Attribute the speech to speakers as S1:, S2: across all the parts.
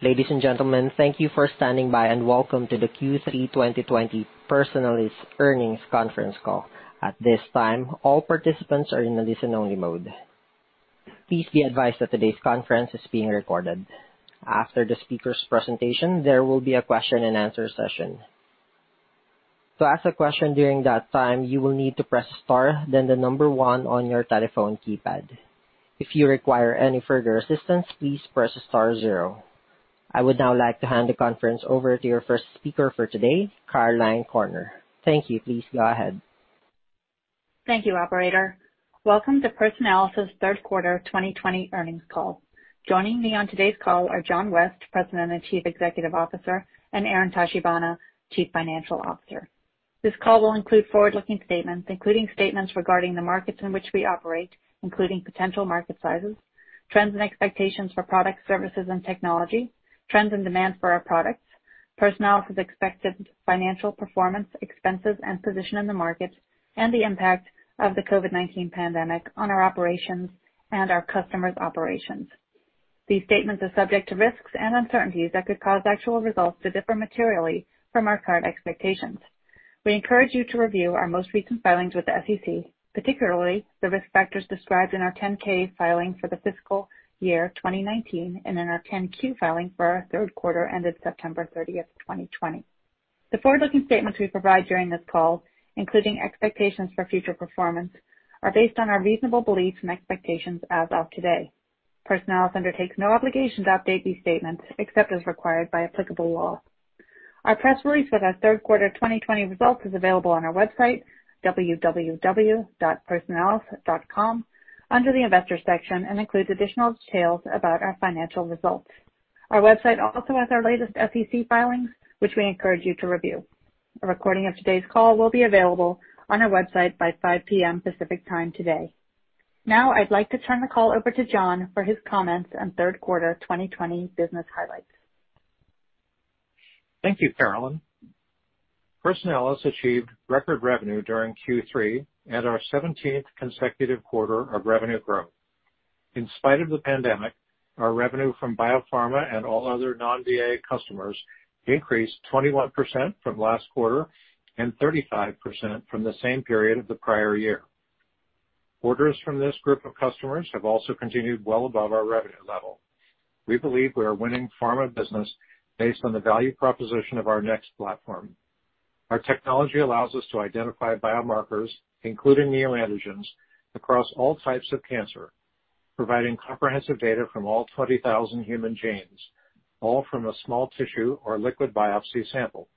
S1: Ladies and gentlemen, thank you for standing by and welcome to the Q3 2020 Personalis Earnings Conference Call. At this time, all participants are in a listen-only mode. Please be advised that today's conference is being recorded. After the speaker's presentation, there will be a question and answer session. To ask a question during that time, you will need to press star, then the number one on your telephone keypad. If you require any further assistance, please press star zero. I would now like to hand the conference over to your first speaker for today, Caroline Corner. Thank you. Please go ahead.
S2: Thank you, Operator. Welcome to Personalis' 3rd Quarter 2020 Earnings Call. Joining me on today's call are John West, President and Chief Executive Officer, and Aaron Tachibana, Chief Financial Officer. This call will include forward-looking statements, including statements regarding the markets in which we operate, including potential market sizes, trends and expectations for products, services, and technology, trends and demand for our products, Personalis' expected financial performance, expenses, and position in the market, and the impact of the COVID-19 pandemic on our operations and our customers' operations. These statements are subject to risks and uncertainties that could cause actual results to differ materially from our current expectations. We encourage you to review our most recent filings with the SEC, particularly the risk factors described in our 10-K filing for the Fiscal Year 2019 and in our 10-Q filing for our third quarter ended September 30th of 2020. The forward-looking statements we provide during this call, including expectations for future performance, are based on our reasonable beliefs and expectations as of today. Personalis undertakes no obligation to update these statements except as required by applicable law. Our press release of our 3rd Quarter 2020 results is available on our website, www.personalis.com, under the investor section, and includes additional details about our financial results. Our website also has our latest SEC filings, which we encourage you to review. A recording of today's call will be available on our website by 5:00 P.M. Pacific Time today. Now, I'd like to turn the call over to John for his comments on 3rd Quarter 2020 business highlights.
S3: Thank you, Caroline. Personalis achieved record revenue during Q3 and our 17th consecutive quarter of revenue growth. In spite of the pandemic, our revenue from biopharma and all other non-VA customers increased 21% from last quarter and 35% from the same period of the prior year. Orders from this group of customers have also continued well above our revenue level. We believe we are winning pharma business based on the value proposition of our NeXT platform. Our technology allows us to identify biomarkers, including neoantigens, across all types of cancer, providing comprehensive data from all 20,000 human genes, all from a small tissue or liquid biopsy sample.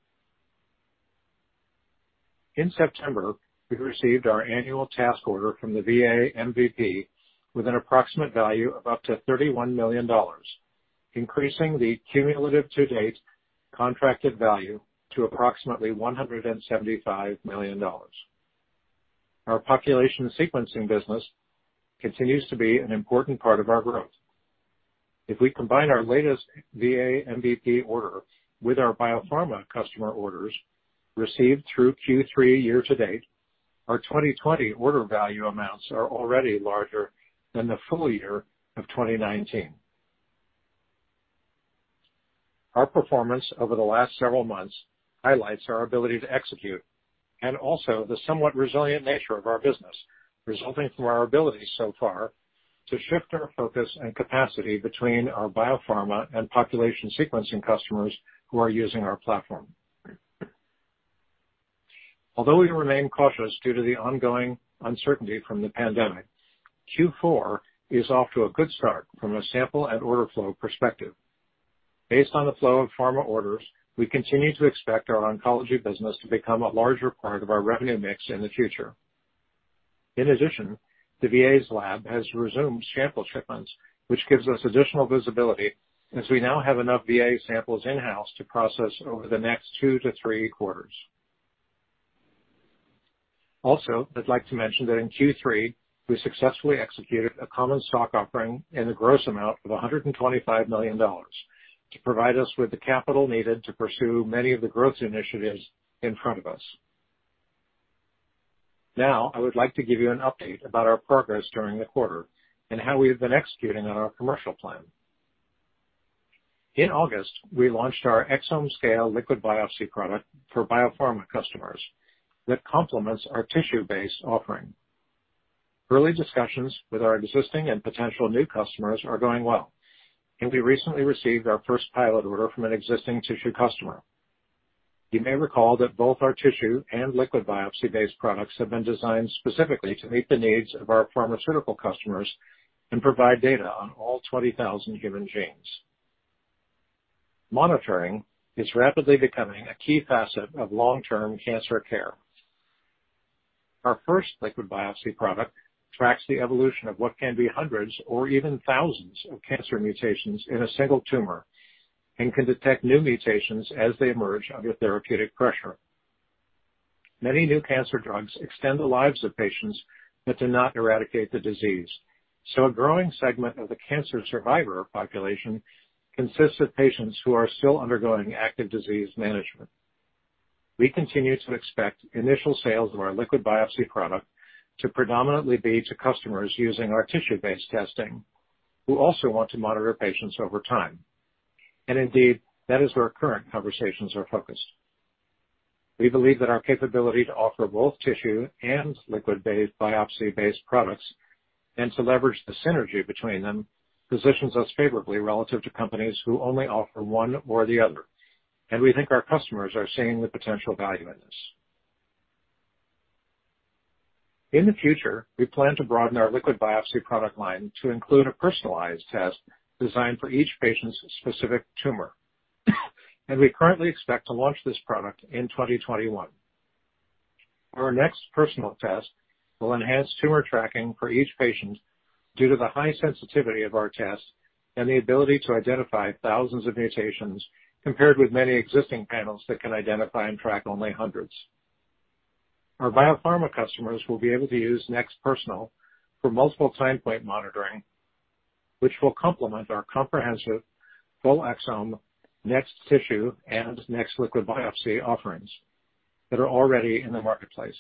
S3: In September, we received our annual task order from the VA MVP with an approximate value of up to $31 million, increasing the cumulative to-date contracted value to approximately $175 million. Our population sequencing business continues to be an important part of our growth. If we combine our latest VA MVP order with our biopharma customer orders received through Q3 year-to-date, our 2020 order value amounts are already larger than the full year of 2019. Our performance over the last several months highlights our ability to execute and also the somewhat resilient nature of our business, resulting from our ability so far to shift our focus and capacity between our biopharma and population sequencing customers who are using our platform. Although we remain cautious due to the ongoing uncertainty from the pandemic, Q4 is off to a good start from a sample and order flow perspective. Based on the flow of pharma orders, we continue to expect our oncology business to become a larger part of our revenue mix in the future. In addition, the VA's lab has resumed sample shipments, which gives us additional visibility as we now have enough VA samples in-house to process over the next two to three quarters. Also, I'd like to mention that in Q3, we successfully executed a common stock offering in the gross amount of $125 million to provide us with the capital needed to pursue many of the growth initiatives in front of us. Now, I would like to give you an update about our progress during the quarter and how we have been executing on our commercial plan. In August, we launched our exome-scale liquid biopsy product for biopharma customers that complements our tissue-based offering. Early discussions with our existing and potential new customers are going well, and we recently received our first pilot order from an existing tissue customer. You may recall that both our tissue and liquid biopsy-based products have been designed specifically to meet the needs of our pharmaceutical customers and provide data on all 20,000 human genes. Monitoring is rapidly becoming a key facet of long-term cancer care. Our first liquid biopsy product tracks the evolution of what can be hundreds or even thousands of cancer mutations in a single tumor and can detect new mutations as they emerge under therapeutic pressure. Many new cancer drugs extend the lives of patients but do not eradicate the disease, so a growing segment of the cancer survivor population consists of patients who are still undergoing active disease management. We continue to expect initial sales of our liquid biopsy product to predominantly be to customers using our tissue-based testing who also want to monitor patients over time, and indeed, that is where current conversations are focused. We believe that our capability to offer both tissue and liquid-based biopsy-based products and to leverage the synergy between them positions us favorably relative to companies who only offer one or the other, and we think our customers are seeing the potential value in this. In the future, we plan to broaden our liquid biopsy product line to include a personalized test designed for each patient's specific tumor, and we currently expect to launch this product in 2021. Our NeXT Personal Test will enhance tumor tracking for each patient due to the high sensitivity of our test and the ability to identify thousands of mutations compared with many existing panels that can identify and track only hundreds. Our biopharma customers will be able to use NeXT Personal for multiple time point monitoring, which will complement our comprehensive full exome, NeXT Tissue, and NeXT Liquid Biopsy offerings that are already in the marketplace.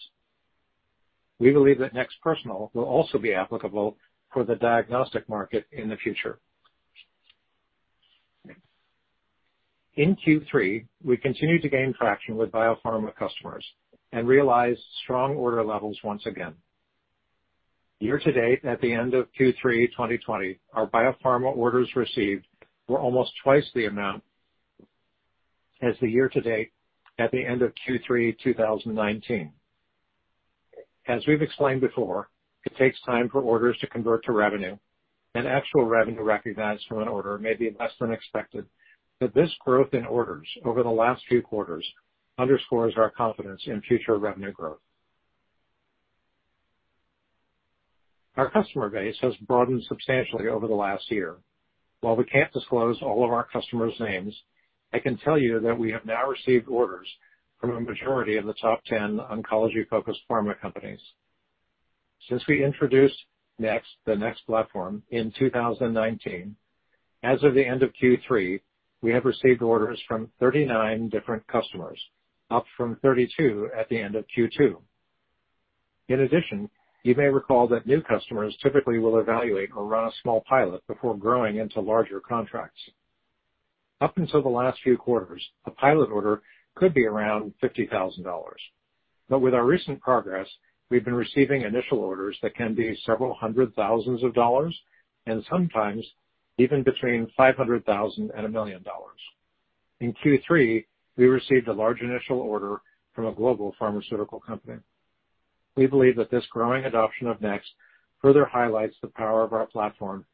S3: We believe that NeXT Personal will also be applicable for the diagnostic market in the future. In Q3, we continue to gain traction with biopharma customers and realize strong order levels once again. Year-to-date, at the end of Q3 2020, our biopharma orders received were almost twice the amount as the year to date at the end of Q3 2019. As we've explained before, it takes time for orders to convert to revenue, and actual revenue recognized from an order may be less than expected, but this growth in orders over the last few quarters underscores our confidence in future revenue growth. Our customer base has broadened substantially over the last year. While we can't disclose all of our customers' names, I can tell you that we have now received orders from a majority of the top 10 oncology-focused pharma companies. Since we introduced NeXT, the NeXT platform, in 2019, as of the end of Q3, we have received orders from 39 different customers, up from 32 at the end of Q2. In addition, you may recall that new customers typically will evaluate or run a small pilot before growing into larger contracts. Up until the last few quarters, a pilot order could be around $50,000, but with our recent progress, we've been receiving initial orders that can be several hundred thousand dollars and sometimes even between $500,000 and $1 million. In Q3, we received a large initial order from a global pharmaceutical company. We believe that this growing adoption of NeXT further highlights the power of our platform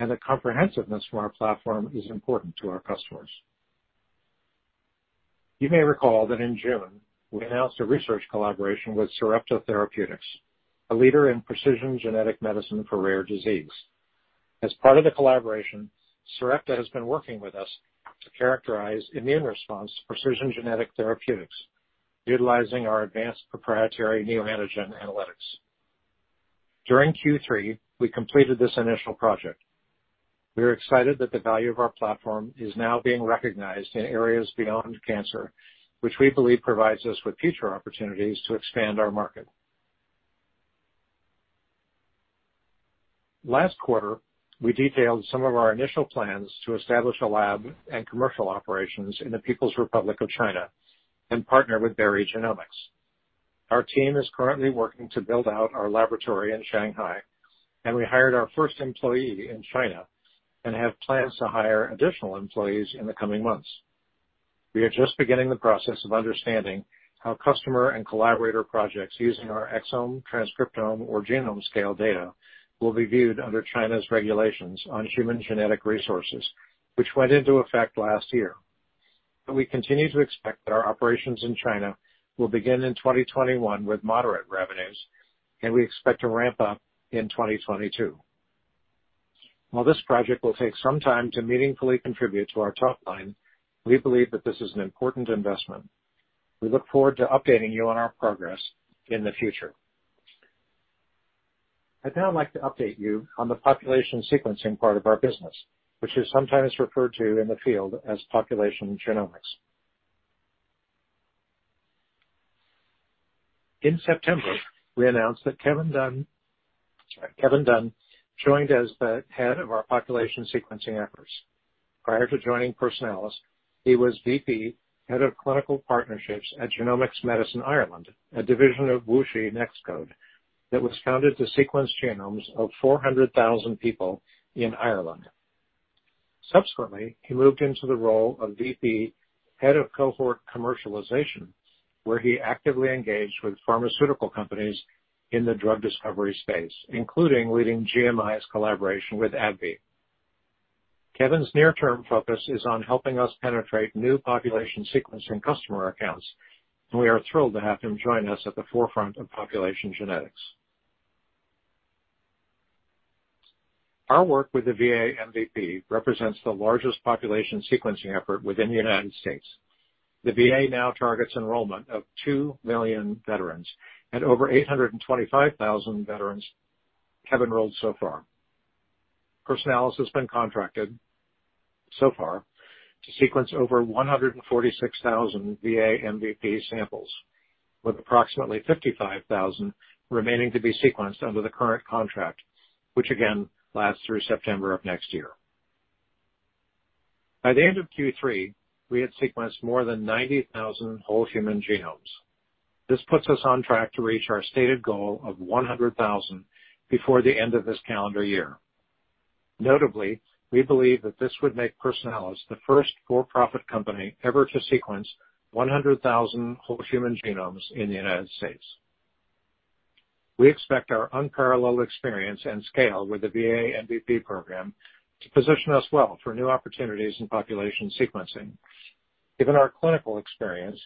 S3: and the comprehensiveness of our platform is important to our customers. You may recall that in June, we announced a research collaboration with Sarepta Therapeutics, a leader in precision genetic medicine for rare disease. As part of the collaboration, Sarepta has been working with us to characterize immune response precision genetic therapeutics, utilizing our advanced proprietary neoantigens analytics. During Q3, we completed this initial project. We are excited that the value of our platform is now being recognized in areas beyond cancer, which we believe provides us with future opportunities to expand our market. Last quarter, we detailed some of our initial plans to establish a lab and commercial operations in the People's Republic of China and partner with BGI Genomics. Our team is currently working to build out our laboratory in Shanghai, and we hired our first employee in China and have plans to hire additional employees in the coming months. We are just beginning the process of understanding how customer and collaborator projects using our exome, transcriptome, or genome-scale data will be viewed under China's regulations on human genetic resources, which went into effect last year. We continue to expect that our operations in China will begin in 2021 with moderate revenues, and we expect to ramp up in 2022. While this project will take some time to meaningfully contribute to our top line, we believe that this is an important investment. We look forward to updating you on our progress in the future. I'd now like to update you on the population sequencing part of our business, which is sometimes referred to in the field as population genomics. In September, we announced that Kevin Dunn joined as the Head of our population sequencing efforts. Prior to joining Personalis, he was VP, Head of Clinical Partnerships at Genomics Medicine Ireland, a division of WuXi NextCODE that was founded to sequence genomes of 400,000 people in Ireland. Subsequently, he moved into the role of VP, Head of Cohort Commercialization, where he actively engaged with pharmaceutical companies in the drug discovery space, including leading GMI's collaboration with AbbVie. Kevin's near-term focus is on helping us penetrate new population sequencing customer accounts, and we are thrilled to have him join us at the forefront of population genetics. Our work with the VA MVP represents the largest population sequencing effort within the United States. The VA now targets enrollment of 2 million veterans, and over 825,000 veterans have enrolled so far. Personalis has been contracted so far to sequence over 146,000 VA MVP samples, with approximately 55,000 remaining to be sequenced under the current contract, which again lasts through September of next year. By the end of Q3, we had sequenced more than 90,000 whole human genomes. This puts us on track to reach our stated goal of 100,000 before the end of this calendar year. Notably, we believe that this would make Personalis the first for-profit company ever to sequence 100,000 whole human genomes in the United States. We expect our unparalleled experience and scale with the VA MVP program to position us well for new opportunities in population sequencing. Given our clinical experience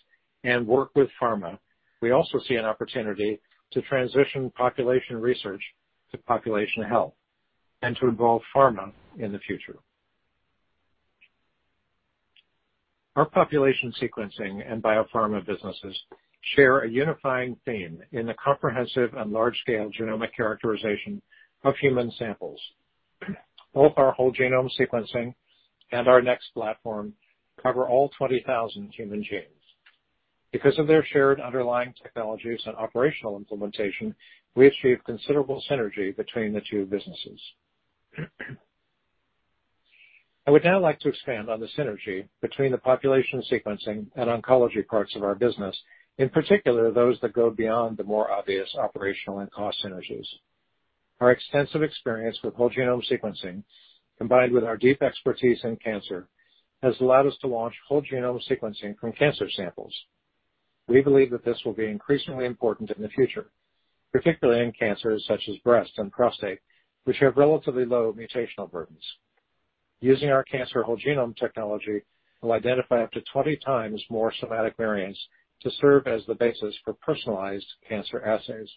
S3: and work with pharma, we also see an opportunity to transition population research to population health and to involve pharma in the future. Our population sequencing and biopharma businesses share a unifying theme in the comprehensive and large-scale genomic characterization of human samples. Both our whole genome sequencing and our NeXT Platform cover all 20,000 human genes. Because of their shared underlying technologies and operational implementation, we achieve considerable synergy between the two businesses. I would now like to expand on the synergy between the population sequencing and oncology parts of our business, in particular those that go beyond the more obvious operational and cost synergies. Our extensive experience with whole genome sequencing, combined with our deep expertise in cancer, has allowed us to launch whole genome sequencing from cancer samples. We believe that this will be increasingly important in the future, particularly in cancers such as breast and prostate, which have relatively low mutational burdens. Using our cancer whole genome technology, we'll identify up to 20 times more somatic variants to serve as the basis for personalized cancer assays.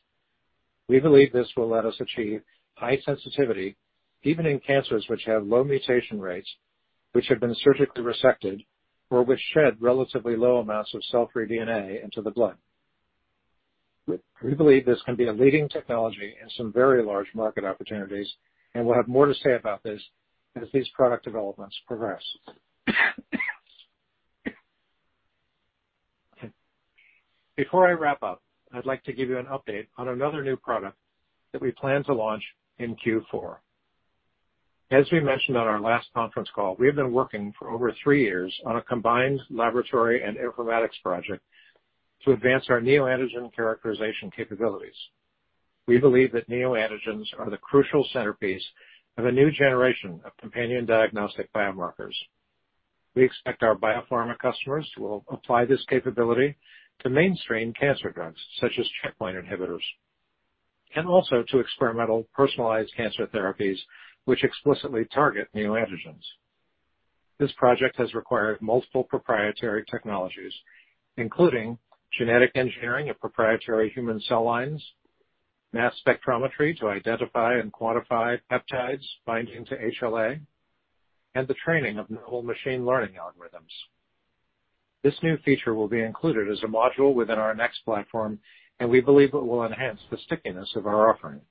S3: We believe this will let us achieve high sensitivity even in cancers which have low mutation rates, which have been surgically resected, or which shed relatively low amounts of cell-free DNA into the blood. We believe this can be a leading technology and some very large market opportunities, and we'll have more to say about this as these product developments progress. Before I wrap up, I'd like to give you an update on another new product that we plan to launch in Q4. As we mentioned on our last conference call, we have been working for over three years on a combined laboratory and informatics project to advance our neoantigens characterization capabilities. We believe that neoantigens are the crucial centerpiece of a new generation of companion diagnostic biomarkers. We expect our biopharma customers will apply this capability to mainstream cancer drugs such as checkpoint inhibitors and also to experimental personalized cancer therapies, which explicitly target neoantigens. This project has required multiple proprietary technologies, including genetic engineering of proprietary human cell lines, mass spectrometry to identify and quantify peptides binding to HLA, and the training of novel machine learning algorithms. This new feature will be included as a module within our NeXT platform, and we believe it will enhance the stickiness of our offering.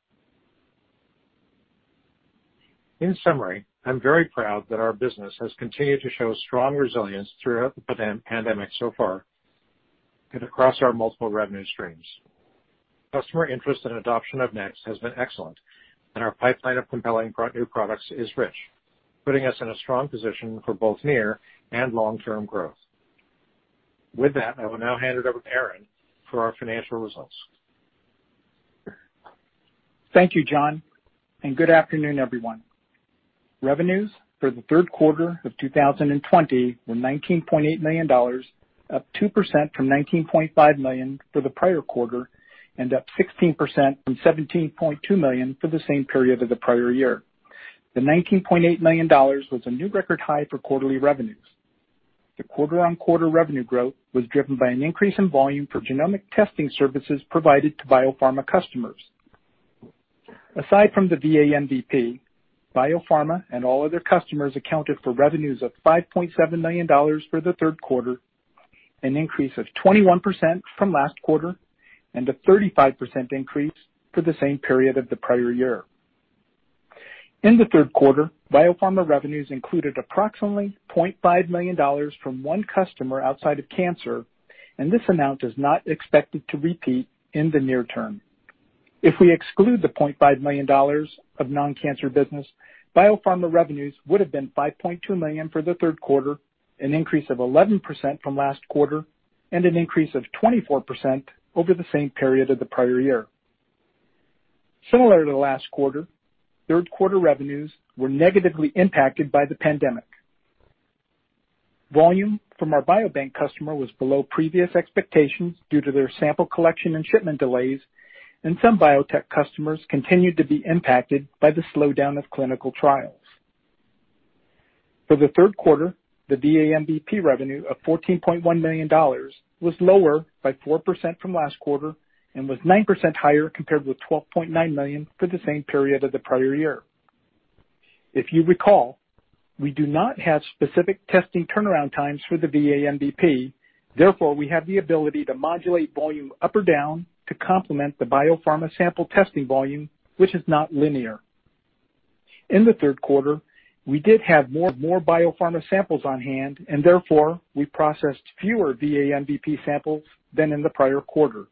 S3: In summary, I'm very proud that our business has continued to show strong resilience throughout the pandemic so far and across our multiple revenue streams. Customer interest and adoption of NeXT has been excellent, and our pipeline of compelling new products is rich, putting us in a strong position for both near and long-term growth. With that, I will now hand it over to Aaron for our financial results.
S4: Thank you, John, and good afternoon, everyone. Revenues for the third quarter of 2020 were $19.8 million, up 2% from $19.5 million for the prior quarter and up 16% from $17.2 million for the same period of the prior year. The $19.8 million was a new record high for quarterly revenues. The quarter-on-quarter revenue growth was driven by an increase in volume for genomic testing services provided to biopharma customers. Aside from the VA MVP, biopharma and all other customers accounted for revenues of $5.7 million for the third quarter, an increase of 21% from last quarter, and a 35% increase for the same period of the prior year. In the third quarter, biopharma revenues included approximately $0.5 million from one customer outside of cancer, and this amount is not expected to repeat in the near term. If we exclude the $0.5 million of non-cancer business, biopharma revenues would have been $5.2 million for the third quarter, an increase of 11% from last quarter, and an increase of 24% over the same period of the prior year. Similar to last quarter, third quarter revenues were negatively impacted by the pandemic. Volume from our biobank customer was below previous expectations due to their sample collection and shipment delays, and some biotech customers continued to be impacted by the slowdown of clinical trials. For the third quarter, the VA MVP revenue of $14.1 million was lower by 4% from last quarter and was 9% higher compared with $12.9 million for the same period of the prior year. If you recall, we do not have specific testing turnaround times for the VA MVP; therefore, we have the ability to modulate volume up or down to complement the biopharma sample testing volume, which is not linear. In the third quarter, we did have more biopharma samples on hand, and therefore we processed fewer VA MVP samples than in the prior quarter.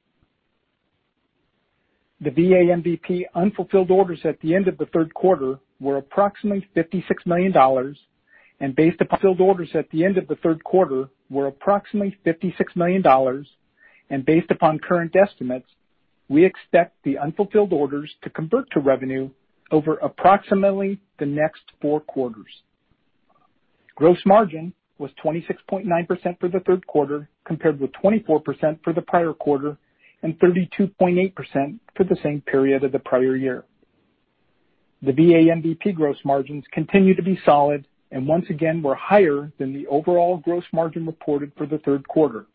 S4: The VA MVP unfulfilled orders at the end of the third quarter were approximately $56 million, and based upon current estimates, we expect the unfulfilled orders to convert to revenue over approximately the next four quarters. Gross margin was 26.9% for the third quarter compared with 24% for the prior quarter and 32.8% for the same period of the prior year. The VA MVP gross margins continue to be solid and once again were higher than the overall gross margin reported for the third quarter.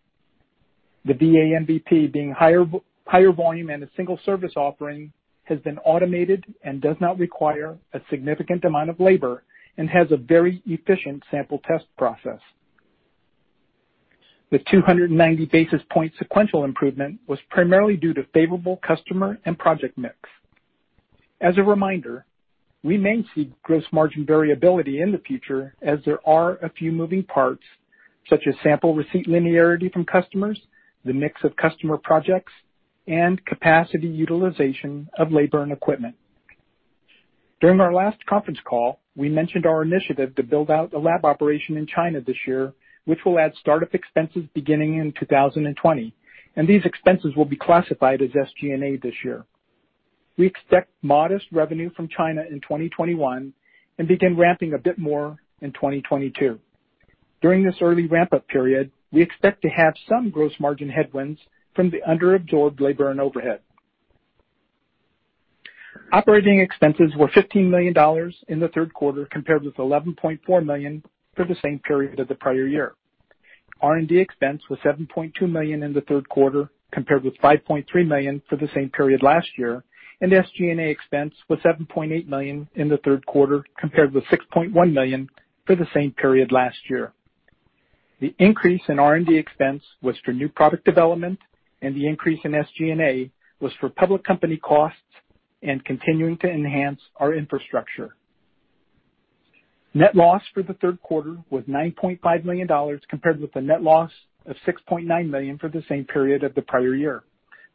S4: The VA MVP being higher volume and a single service offering has been automated and does not require a significant amount of labor and has a very efficient sample test process. The 290 basis point sequential improvement was primarily due to favorable customer and project mix. As a reminder, we may see gross margin variability in the future as there are a few moving parts, such as sample receipt linearity from customers, the mix of customer projects, and capacity utilization of labor and equipment. During our last conference call, we mentioned our initiative to build out a lab operation in China this year, which will add startup expenses beginning in 2020, and these expenses will be classified as SG&A this year. We expect modest revenue from China in 2021 and begin ramping a bit more in 2022. During this early ramp-up period, we expect to have some gross margin headwinds from the under-absorbed labor and overhead. Operating expenses were $15 million in the third quarter compared with $11.4 million for the same period of the prior year. R&D expense was $7.2 million in the third quarter compared with $5.3 million for the same period last year, and SG&A expense was $7.8 million in the third quarter compared with $6.1 million for the same period last year. The increase in R&D expense was for new product development, and the increase in SG&A was for public company costs and continuing to enhance our infrastructure. Net loss for the third quarter was $9.5 million compared with the net loss of $6.9 million for the same period of the prior year.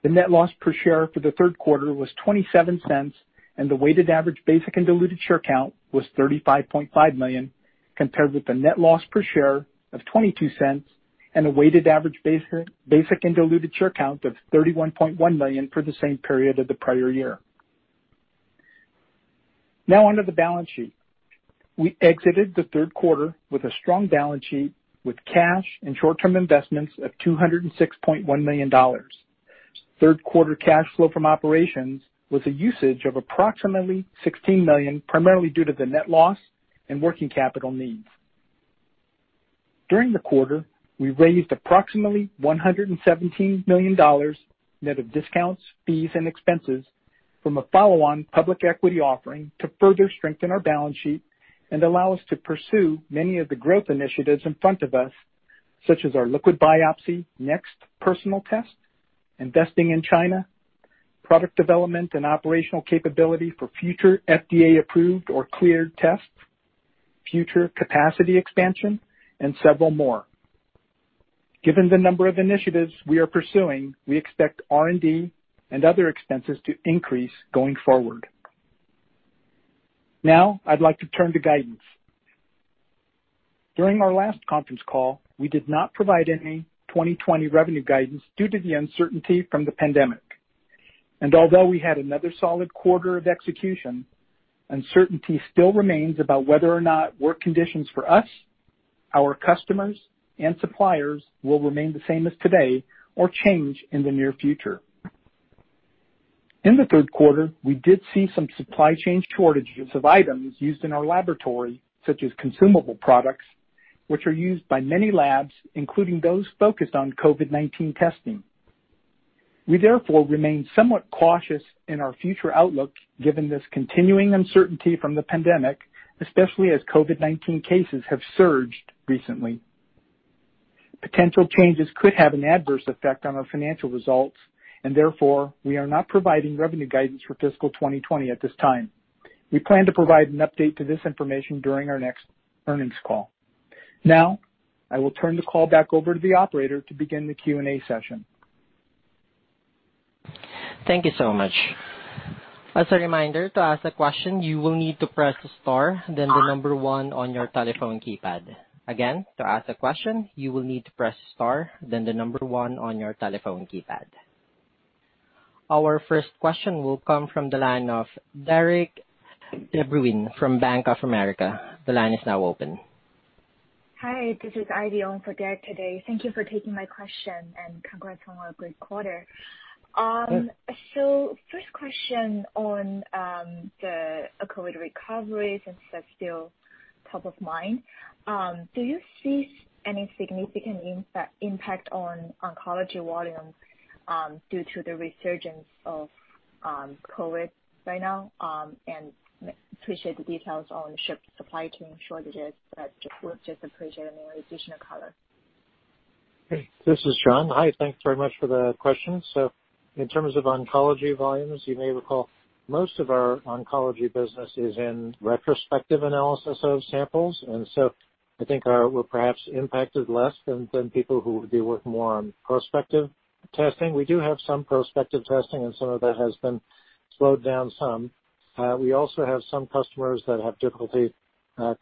S4: The net loss per share for the third quarter was $0.27, and the weighted average basic and diluted share count was $35.5 million compared with the net loss per share of $0.22 and a weighted average basic and diluted share count of $31.1 million for the same period of the prior year. Now, under the balance sheet, we exited the third quarter with a strong balance sheet with cash and short-term investments of $206.1 million. Third quarter cash flow from operations was a usage of approximately $16 million, primarily due to the net loss and working capital needs. During the quarter, we raised approximately $117 million net of discounts, fees, and expenses from a follow-on public equity offering to further strengthen our balance sheet and allow us to pursue many of the growth initiatives in front of us, such as our liquid biopsy NeXT Personal test, investing in China, product development and operational capability for future FDA-approved or cleared tests, future capacity expansion, and several more. Given the number of initiatives we are pursuing, we expect R&D and other expenses to increase going forward. Now, I'd like to turn to guidance. During our last conference call, we did not provide any 2020 revenue guidance due to the uncertainty from the pandemic. Although we had another solid quarter of execution, uncertainty still remains about whether or not work conditions for us, our customers, and suppliers will remain the same as today or change in the near future. In the third quarter, we did see some supply chain shortages of items used in our laboratory, such as consumable products, which are used by many labs, including those focused on COVID-19 testing. We therefore remain somewhat cautious in our future outlook given this continuing uncertainty from the pandemic, especially as COVID-19 cases have surged recently. Potential changes could have an adverse effect on our financial results, and therefore we are not providing revenue guidance for Fiscal 2020 at this time. We plan to provide an update to this information during our next earnings call. Now, I will turn the call back over to the operator to begin the Q&A session.
S1: Thank you so much. As a reminder, to ask a question, you will need to press the star and then the number one on your telephone keypad. Again, to ask a question, you will need to press the star, then the number one on your telephone keypad. Our first question will come from the line of Derik de Bruin from Bank of America. The line is now open.
S5: Hi, this is Aeran Yoon for Derik today. Thank you for taking my question and congrats on our great quarter. First question on the COVID recoveries and stuff still top of mind. Do you see any significant impact on oncology volume due to the resurgence of COVID right now? I appreciate the details on ship supply chain shortages, but just appreciate any additional color.
S3: This is John. Hi, thanks very much for the question. In terms of oncology volumes, you may recall most of our oncology business is in retrospective analysis of samples, and I think we're perhaps impacted less than people who would be working more on prospective testing. We do have some prospective testing, and some of that has been slowed down some. We also have some customers that have difficulty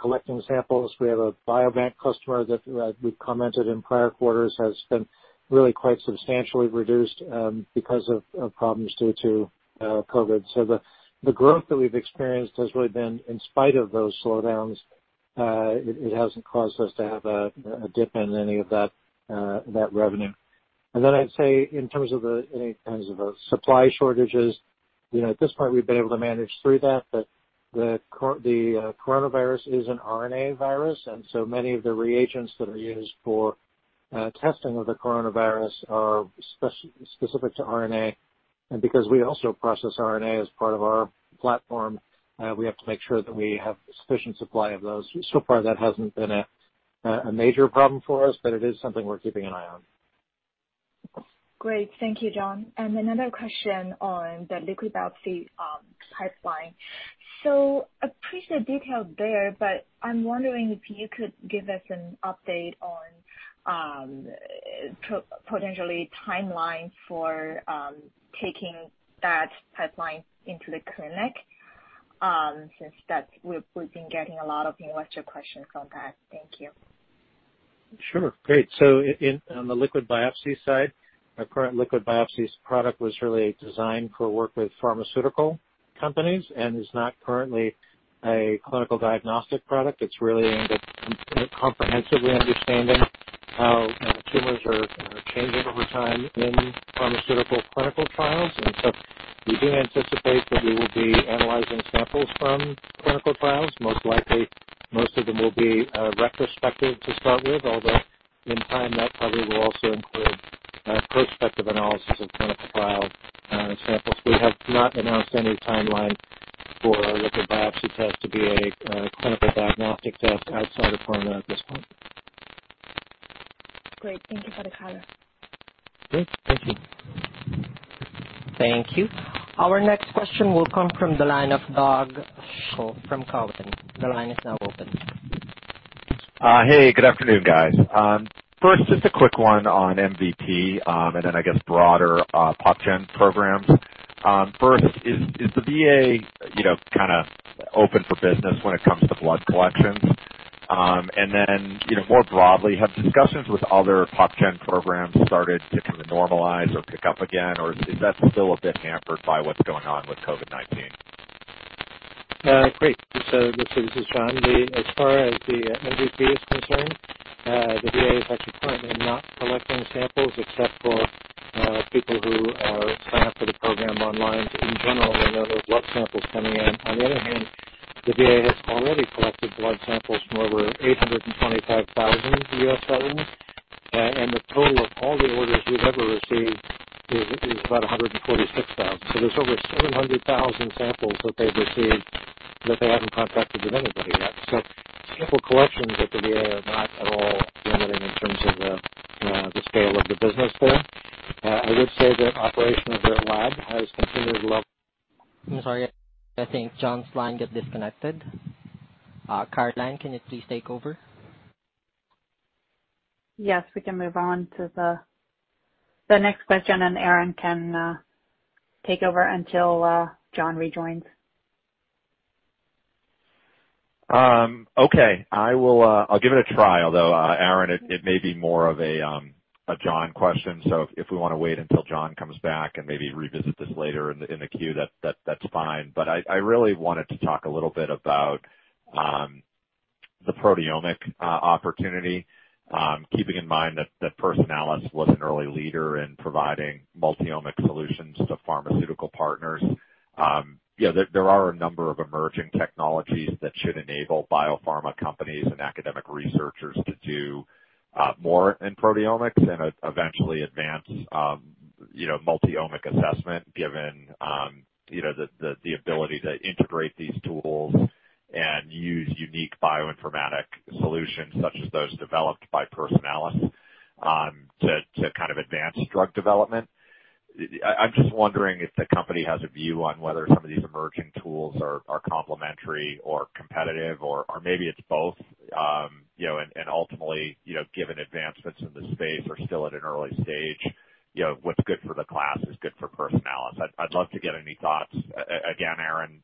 S3: collecting samples. We have a biobank customer that we've commented in prior quarters has been really quite substantially reduced because of problems due to COVID. The growth that we've experienced has really been, in spite of those slowdowns, it hasn't caused us to have a dip in any of that revenue. I'd say in terms of any kinds of supply shortages, at this point we've been able to manage through that, but the coronavirus is an RNA virus, and so many of the reagents that are used for testing of the coronavirus are specific to RNA. Because we also process RNA as part of our platform, we have to make sure that we have sufficient supply of those. So far, that hasn't been a major problem for us, but it is something we're keeping an eye on.
S5: Great. Thank you, John. Another question on the liquid biopsy pipeline. I appreciate detail there, but I'm wondering if you could give us an update on potentially timelines for taking that pipeline into the clinic since we've been getting a lot of investor questions on that. Thank you.
S3: Sure. Great. On the liquid biopsy side, our current liquid biopsy product was really designed for work with pharmaceutical companies and is not currently a clinical diagnostic product. It is really aimed at comprehensively understanding how tumors are changing over time in pharmaceutical clinical trials. We do anticipate that we will be analyzing samples from clinical trials. Most likely, most of them will be retrospective to start with, although in time that probably will also include prospective analysis of clinical trial samples. We have not announced any timeline for a liquid biopsy test to be a clinical diagnostic test outside of coronavirus at this point.
S5: Great. Thank you for the color.
S1: Great. Thank you. Thank you. Our next question will come from the line of Doug Creutz from Cowen. The line is now open.
S6: Hey, good afternoon, guys. First, just a quick one on MVP and then I guess broader pop gen programs. First, is the VA kind of open for business when it comes to blood collections. More broadly, have discussions with other pop gen programs started to kind of normalize or pick up again, or is that still a bit hampered by what's going on with COVID-19?
S3: Great. This is John. As far as the MVP is concerned, the VA is actually currently not collecting samples except for people who sign up for the program online. In general, they know there's blood samples coming in. On the other hand, the VA has already collected blood samples from over 825,000 US veterans, and the total of all the orders we've ever received is about 146,000. So there's over 700,000 samples that they've received that they haven't contracted with anybody yet. Sample collections at the VA are not at all limiting in terms of the scale of the business there. I would say that operation of their lab has continued.
S1: I'm sorry, I think John's line got disconnected. Caroline, can you please take over?
S2: Yes, we can move on to the next question, and Aaron can take over until John rejoins.
S6: Okay. I'll give it a try, although, Aaron, it may be more of a John question. If we want to wait until John comes back and maybe revisit this later in the queue, that's fine. I really wanted to talk a little bit about the proteomic opportunity, keeping in mind that Personalis was an early leader in providing multiomic solutions to pharmaceutical partners. There are a number of emerging technologies that should enable biopharma companies and academic researchers to do more in proteomics and eventually advance multiomic assessment given the ability to integrate these tools and use unique bioinformatic solutions such as those developed by Personalis to kind of advance drug development. I'm just wondering if the company has a view on whether some of these emerging tools are complementary or competitive, or maybe it's both. Ultimately, given advancements in the space, we're still at an early stage. What's good for the class is good for Personalis. I'd love to get any thoughts. Again, Aaron,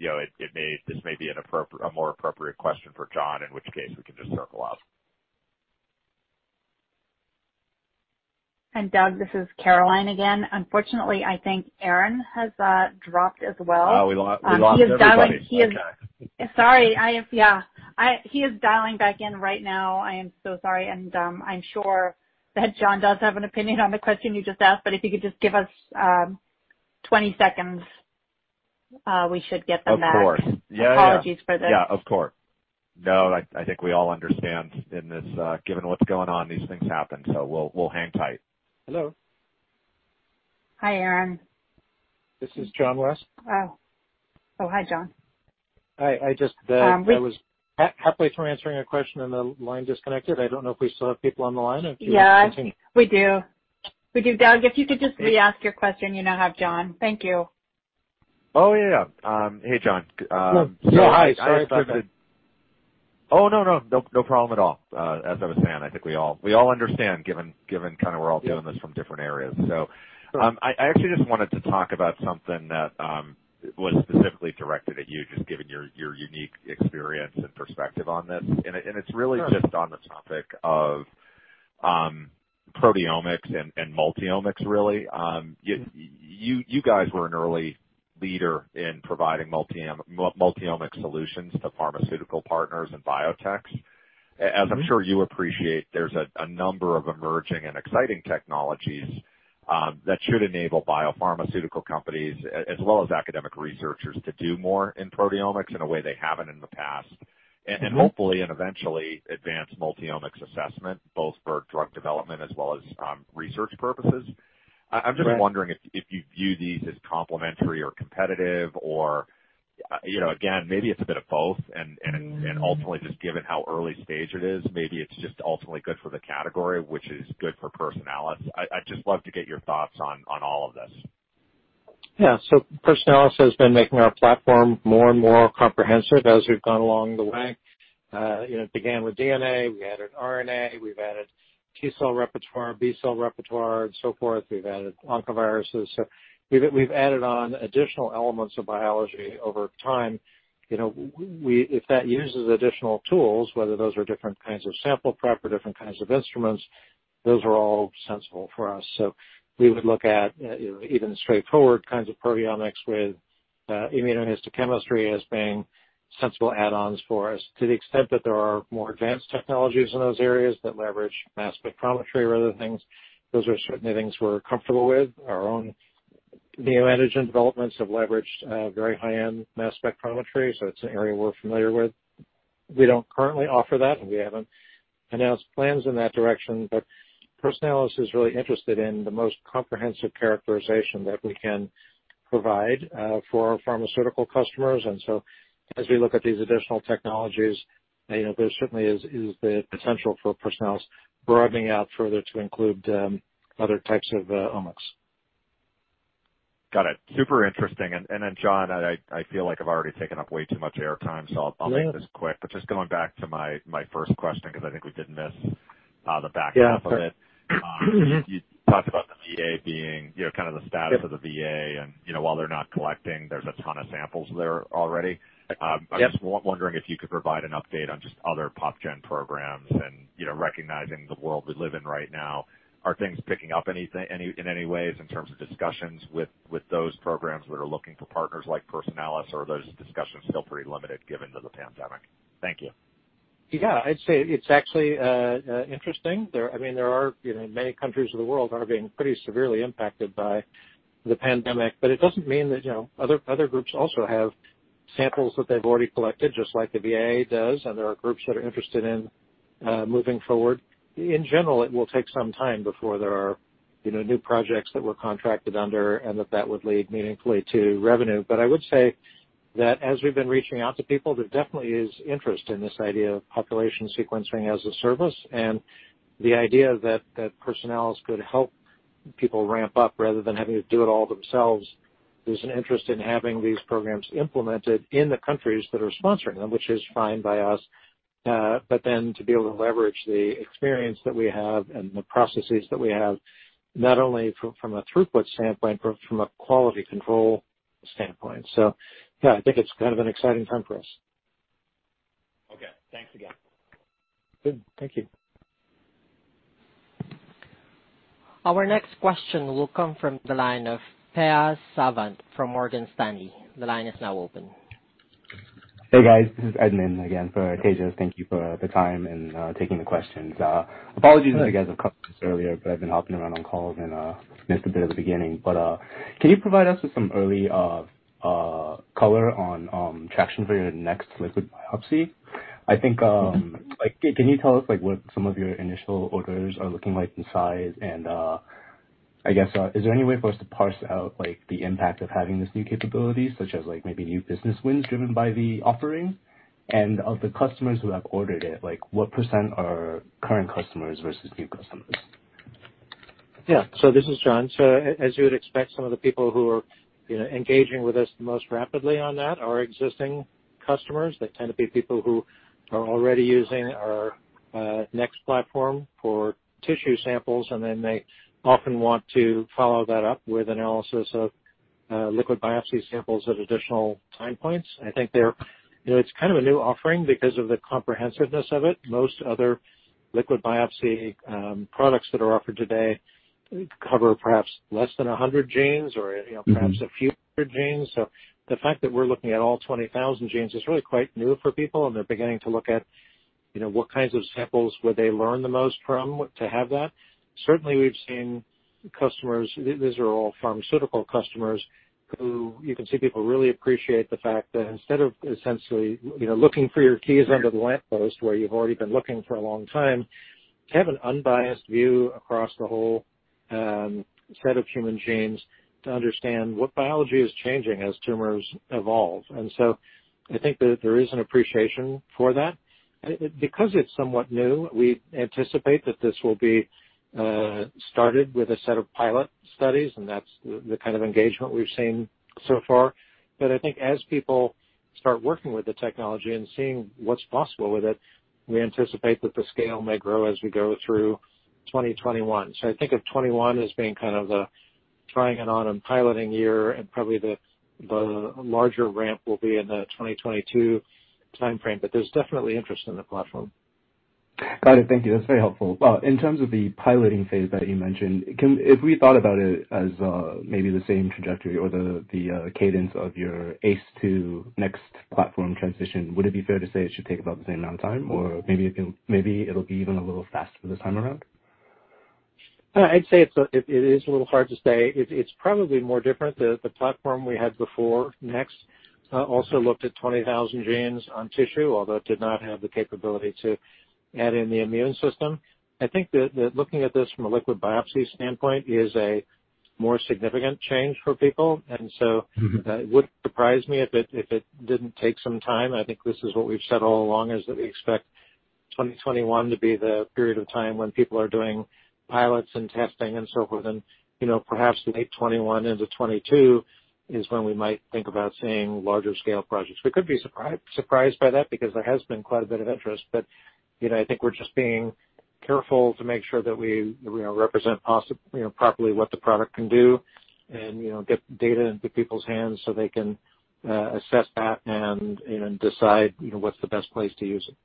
S6: this may be a more appropriate question for John, in which case we can just circle out.
S2: Doug, this is Caroline again. Unfortunately, I think Aaron has dropped as well.
S6: Oh, we lost everybody.
S2: He is dialing back in right now. Sorry. Yeah. He is dialing back in right now. I am so sorry. I am sure that John does have an opinion on the question you just asked, but if you could just give us 20 seconds, we should get them back.
S6: Of course. Yeah, yeah.
S2: Apologies for that.
S6: Yeah, of course. No, I think we all understand in this, given what's going on, these things happen, so we'll hang tight.
S3: Hello.
S2: Hi, Aaron.
S3: This is John West.
S2: Oh, hi, John.
S3: Hi. I just. I was halfway through answering a question and the line disconnected. I do not know if we still have people on the line. If you're listening.
S2: Yeah, we do. We do. Doug, if you could just re-ask your question, you now have John. Thank you.
S3: Oh, yeah, hey, John. Hello. Sorry about that.
S6: Oh, no, no. No problem at all. As I was saying, I think we all understand, given kind of we're all doing this from different areas. I actually just wanted to talk about something that was specifically directed at you, just given your unique experience and perspective on this. It's really just on the topic of proteomics and multiomics, really. You guys were an early leader in providing multiomic solutions to pharmaceutical partners and biotechs. As I'm sure you appreciate, there's a number of emerging and exciting technologies that should enable biopharmaceutical companies as well as academic researchers to do more in proteomics in a way they haven't in the past, and hopefully, and eventually, advance multiomics assessment both for drug development as well as research purposes. I'm just wondering if you view these as complementary or competitive, or again, maybe it's a bit of both. Ultimately, just given how early stage it is, maybe it's just ultimately good for the category, which is good for Personalis. I'd just love to get your thoughts on all of this.
S3: Yeah. Personalis has been making our platform more and more comprehensive as we've gone along the way. It began with DNA. We added RNA. We've added T-cell repertoire, B-cell repertoire, and so forth. We've added oncoviruses. We've added on additional elements of biology over time. If that uses additional tools, whether those are different kinds of sample prep or different kinds of instruments, those are all sensible for us. We would look at even straightforward kinds of proteomics with immunohistochemistry as being sensible add-ons for us. To the extent that there are more advanced technologies in those areas that leverage mass spectrometry or other things, those are certainly things we're comfortable with. Our own new antigen developments have leveraged very high-end mass spectrometry, so it's an area we're familiar with. We don't currently offer that, and we haven't announced plans in that direction. Personalis is really interested in the most comprehensive characterization that we can provide for our pharmaceutical customers. As we look at these additional technologies, there certainly is the potential for Personalis broadening out further to include other types of omics.
S6: Got it. Super interesting. John, I feel like I've already taken up way too much airtime, so I'll make this quick. Just going back to my first question because I think we did miss the back half of it. You talked about the VA being kind of the status of the VA, and while they're not collecting, there's a ton of samples there already. I'm just wondering if you could provide an update on just other pop gen programs and recognizing the world we live in right now. Are things picking up in any ways in terms of discussions with those programs that are looking for partners like Personalis or are those discussions still pretty limited given the pandemic? Thank you.
S3: Yeah. I'd say it's actually interesting. I mean, there are many countries of the world that are being pretty severely impacted by the pandemic, but it doesn't mean that other groups also have samples that they've already collected, just like the VA does, and there are groups that are interested in moving forward. In general, it will take some time before there are new projects that we're contracted under and that that would lead meaningfully to revenue. I would say that as we've been reaching out to people, there definitely is interest in this idea of population sequencing as a service. The idea that Personalis could help people ramp up rather than having to do it all themselves, there's an interest in having these programs implemented in the countries that are sponsoring them, which is fine by us. To be able to leverage the experience that we have and the processes that we have, not only from a throughput standpoint but from a quality control standpoint. Yeah, I think it's kind of an exciting time for us.
S6: Okay. Thanks again.
S3: Good. Thank you.
S1: Our next question will come from the line of Tejas Savant from Morgan Stanley. The line is now open.
S7: Hey, guys. This is Edmund again for Tejas. Thank you for the time and taking the questions. Apologies if you guys have come earlier, but I've been hopping around on calls and missed a bit of the beginning. Can you provide us with some early color on traction for your NeXT Liquid Biopsy? I think can you tell us what some of your initial orders are looking like in size? I guess, is there any way for us to parse out the impact of having this new capability, such as maybe new business wins driven by the offering? Of the customers who have ordered it, what percent are current customers versus new customers?
S3: Yeah. This is John. As you would expect, some of the people who are engaging with us most rapidly on that are existing customers. They tend to be people who are already using our NeXT platform for tissue samples, and then they often want to follow that up with analysis of liquid biopsy samples at additional time points. I think it's kind of a new offering because of the comprehensiveness of it. Most other liquid biopsy products that are offered today cover perhaps less than 100 genes or perhaps a few hundred genes. The fact that we're looking at all 20,000 genes is really quite new for people, and they're beginning to look at what kinds of samples would they learn the most from to have that. Certainly, we've seen customers—these are all pharmaceutical customers—who you can see people really appreciate the fact that instead of essentially looking for your keys under the lamppost, where you've already been looking for a long time, they have an unbiased view across the whole set of human genes to understand what biology is changing as tumors evolve. I think that there is an appreciation for that. Because it's somewhat new, we anticipate that this will be started with a set of pilot studies, and that's the kind of engagement we've seen so far. I think as people start working with the technology and seeing what's possible with it, we anticipate that the scale may grow as we go through 2021. I think of 2021 as being kind of the trying it on and piloting year, and probably the larger ramp will be in the 2022 timeframe. There is definitely interest in the platform.
S7: Got it. Thank you. That is very helpful. In terms of the piloting phase that you mentioned, if we thought about it as maybe the same trajectory or the cadence of your ACE2 NeXT platform transition, would it be fair to say it should take about the same amount of time, or maybe it will be even a little faster this time around?
S3: I would say it is a little hard to say. It is probably more different. The platform we had before NeXT also looked at 20,000 genes on tissue, although it did not have the capability to add in the immune system. I think that looking at this from a liquid biopsy standpoint is a more significant change for people. It would not surprise me if it did not take some time. I think this is what we've said all along, is that we expect 2021 to be the period of time when people are doing pilots and testing and so forth. Perhaps late 2021 into 2022 is when we might think about seeing larger scale projects. We could be surprised by that because there has been quite a bit of interest. I think we're just being careful to make sure that we represent properly what the product can do and get data into people's hands so they can assess that and decide what's the best place to use it.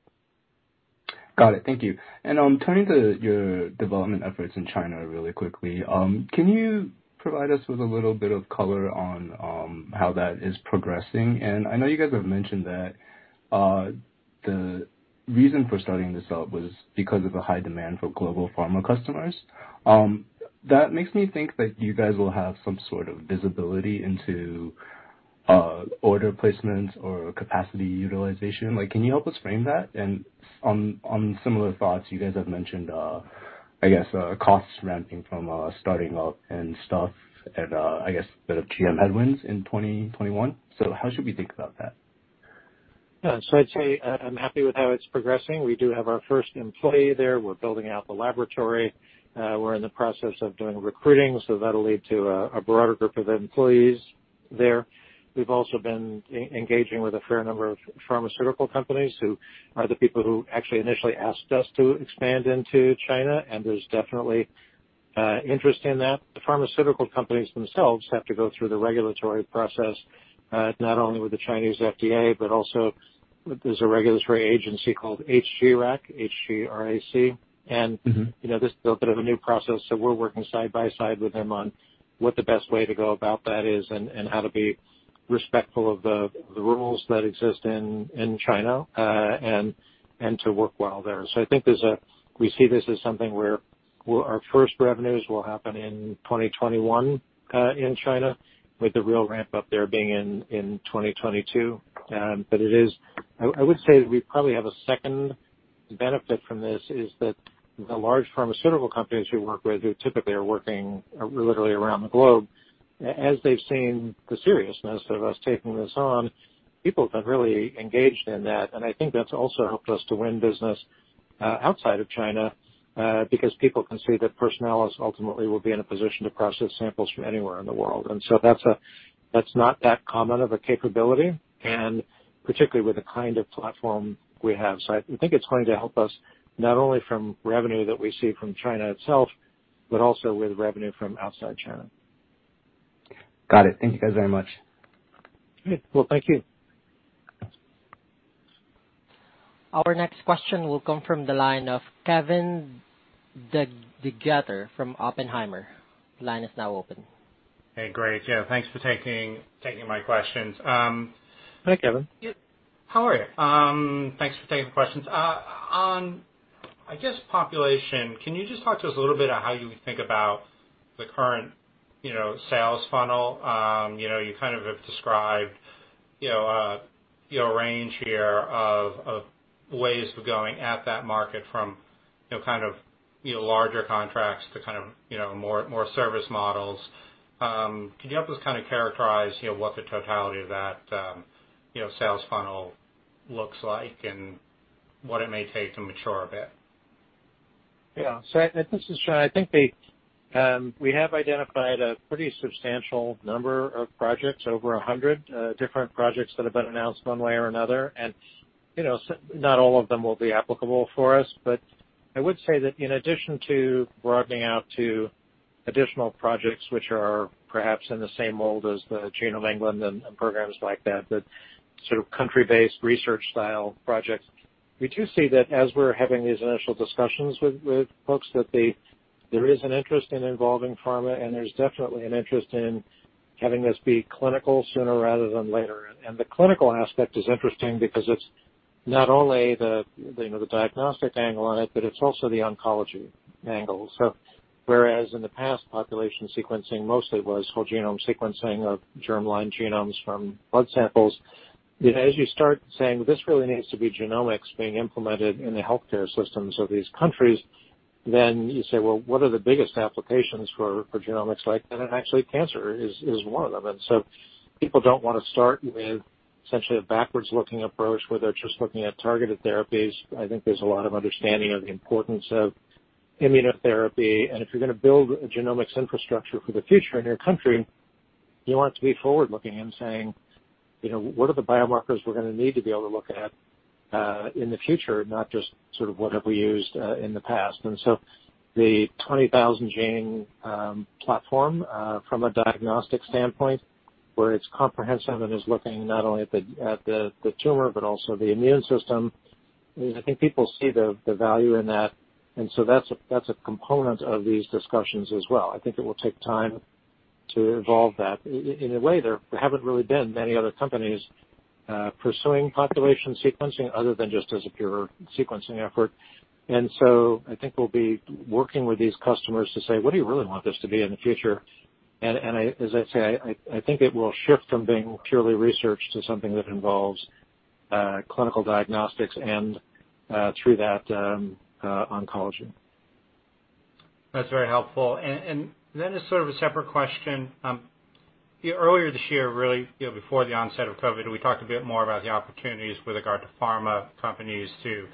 S7: Got it. Thank you. Turning to your development efforts in China really quickly, can you provide us with a little bit of color on how that is progressing? I know you guys have mentioned that the reason for starting this up was because of the high demand for global pharma customers. That makes me think that you guys will have some sort of visibility into order placements or capacity utilization. Can you help us frame that? On similar thoughts, you guys have mentioned, I guess, costs ramping from starting up and stuff, and I guess a bit of GM headwinds in 2021. How should we think about that?
S3: I'd say I'm happy with how it's progressing. We do have our first employee there. We're building out the laboratory. We're in the process of doing recruiting, so that'll lead to a broader group of employees there. We've also been engaging with a fair number of pharmaceutical companies who are the people who actually initially asked us to expand into China, and there's definitely interest in that. The pharmaceutical companies themselves have to go through the regulatory process, not only with the Chinese FDA, but also there's a regulatory agency called HGRAC, H-G-R-A-C. This is a little bit of a new process, so we're working side by side with them on what the best way to go about that is and how to be respectful of the rules that exist in China and to work well there. I think we see this as something where our first revenues will happen in 2021 in China, with the real ramp-up there being in 2022. I would say that we probably have a second benefit from this, is that the large pharmaceutical companies we work with, who typically are working literally around the globe, as they've seen the seriousness of us taking this on, people have been really engaged in that. I think that's also helped us to win business outside of China because people can see that Personalis ultimately will be in a position to process samples from anywhere in the world. That's not that common of a capability, and particularly with the kind of platform we have. I think it's going to help us not only from revenue that we see from China itself, but also with revenue from outside China.
S7: Got it. Thank you guys very much.
S3: Great. Thank you.
S1: Our next question will come from the line of Kevin DeGeeter from Oppenheimer. The line is now open.
S8: Hey, great. Yeah. Thanks for taking my questions.
S3: Hi, Kevin. How are you?
S8: Thanks for taking the questions. On, I guess, population, can you just talk to us a little bit about how you think about the current sales funnel? You kind of have described your range here of ways of going at that market from kind of larger contracts to kind of more service models. Could you help us kind of characterize what the totality of that sales funnel looks like and what it may take to mature a bit?
S3: Yeah. I think, this is John, I think we have identified a pretty substantial number of projects, over 100 different projects that have been announced one way or another. Not all of them will be applicable for us, but I would say that in addition to broadening out to additional projects, which are perhaps in the same mold as the Genome England and programs like that, but sort of country-based research-style projects, we do see that as we're having these initial discussions with folks, that there is an interest in involving pharma, and there's definitely an interest in having this be clinical sooner rather than later. The clinical aspect is interesting because it's not only the diagnostic angle on it, but it's also the oncology angle. Whereas in the past, population sequencing mostly was whole genome sequencing of germline genomes from blood samples, as you start saying, "this really needs to be genomics being implemented in the healthcare systems of these countries," you say, "well, what are the biggest applications for genomics like that?" Actually, cancer is one of them. People do not want to start with essentially a backwards-looking approach where they are just looking at targeted therapies. I think there is a lot of understanding of the importance of immunotherapy. If you're going to build a genomics infrastructure for the future in your country, you want it to be forward-looking and saying, "what are the biomarkers we're going to need to be able to look at in the future, not just sort of what have we used in the past?" The 20,000-gene platform, from a diagnostic standpoint, where it's comprehensive and is looking not only at the tumor but also the immune system, I think people see the value in that. That is a component of these discussions as well. I think it will take time to evolve that. In a way, there haven't really been many other companies pursuing population sequencing other than just as a pure sequencing effort. I think we'll be working with these customers to say, "what do you really want this to be in the future?" As I say, I think it will shift from being purely research to something that involves clinical diagnostics and through that oncology.
S8: That's very helpful. It is sort of a separate question. Earlier this year, really before the onset of COVID, we talked a bit more about the opportunities with regard to pharma companies to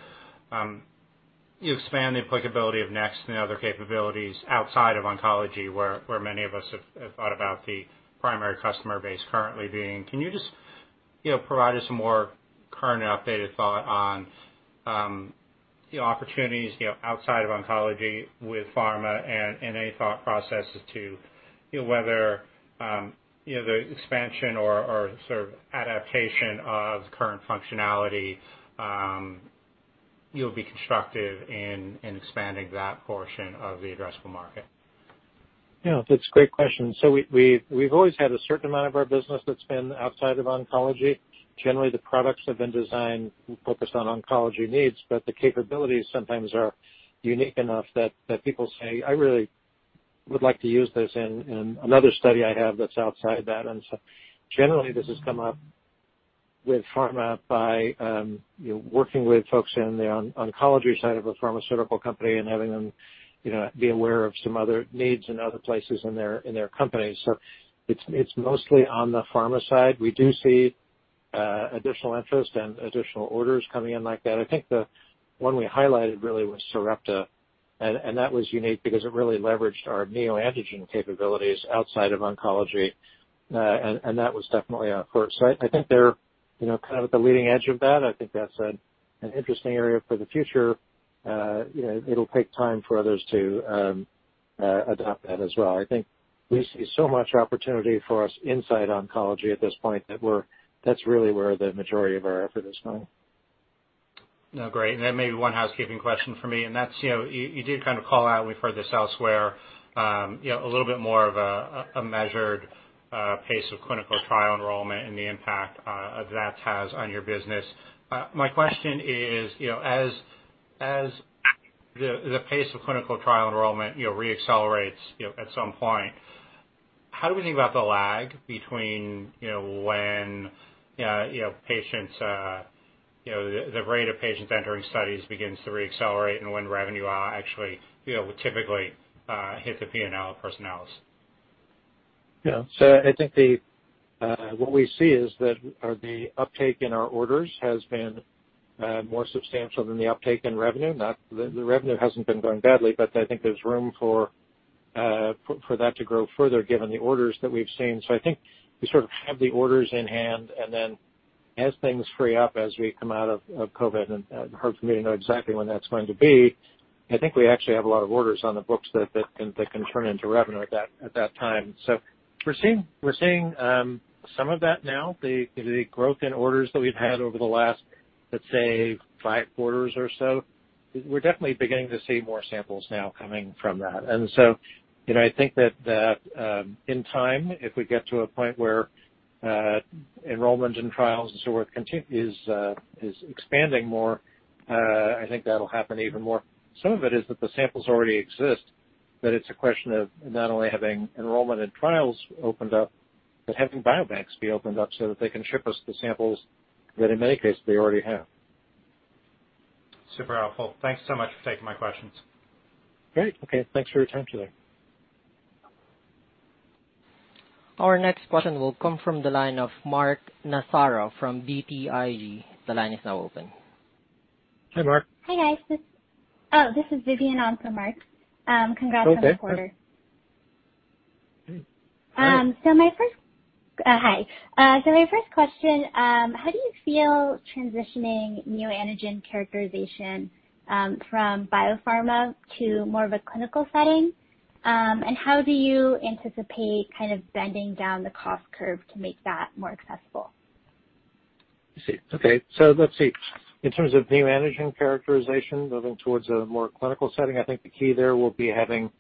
S8: expand the applicability of NeXT and other capabilities outside of oncology, where many of us have thought about the primary customer base currently being. Can you just provide us a more current and updated thought on the opportunities outside of oncology with pharma and any thought processes to whether the expansion or sort of adaptation of current functionality will be constructive in expanding that portion of the addressable market?
S3: Yeah. That's a great question. We have always had a certain amount of our business that's been outside of oncology. Generally, the products have been designed focused on oncology needs, but the capabilities sometimes are unique enough that people say, "I really would like to use this in another study I have that's outside that." Generally, this has come up with pharma by working with folks on the oncology side of a pharmaceutical company and having them be aware of some other needs in other places in their companies. It is mostly on the pharma side. We do see additional interest and additional orders coming in like that. I think the one we highlighted really was Sarepta, and that was unique because it really leveraged our neoantigens capabilities outside of oncology, and that was definitely a first. I think they are kind of at the leading edge of that. I think that's an interesting area for the future. It'll take time for others to adopt that as well. I think we see so much opportunity for us inside oncology at this point that that's really where the majority of our effort is going.
S8: No, great. Maybe one housekeeping question for me, and you did kind of call out when we heard this elsewhere, a little bit more of a measured pace of clinical trial enrollment and the impact that has on your business. My question is, as the pace of clinical trial enrollment reaccelerates at some point, how do we think about the lag between when the rate of patients entering studies begins to reaccelerate and when revenue actually will typically hit the P&L of Personalis?
S3: Yeah. I think what we see is that the uptake in our orders has been more substantial than the uptake in revenue. The revenue hasn't been going badly, but I think there's room for that to grow further given the orders that we've seen. I think we sort of have the orders in hand, and then as things free up as we come out of COVID, and it's hard for me to know exactly when that's going to be, I think we actually have a lot of orders on the books that can turn into revenue at that time. We're seeing some of that now. The growth in orders that we've had over the last, let's say, five quarters or so, we're definitely beginning to see more samples now coming from that. I think that in time, if we get to a point where enrollment and trials and so forth is expanding more, I think that'll happen even more. Some of it is that the samples already exist, but it's a question of not only having enrollment and trials opened up, but having biobanks be opened up so that they can ship us the samples that in many cases they already have.
S8: Super helpful. Thanks so much for taking my questions
S3: Great. Okay. Thanks for your time today.
S1: Our next question will come from the line of Mark Massaro from BTIG. The line is now open.
S3: Hi, Mark.
S9: Hi, guys. Oh, this is Vivian on for Mark. Congrats on the quarter.
S3: Okay.
S9: My first, hi, my first question, how do you feel transitioning neoantigens characterization from biopharma to more of a clinical setting? How do you anticipate kind of bending down the cost curve to make that more accessible? I see.
S3: Okay. Let's see. In terms of neoantigens characterization moving towards a more clinical setting, I think the key there will be having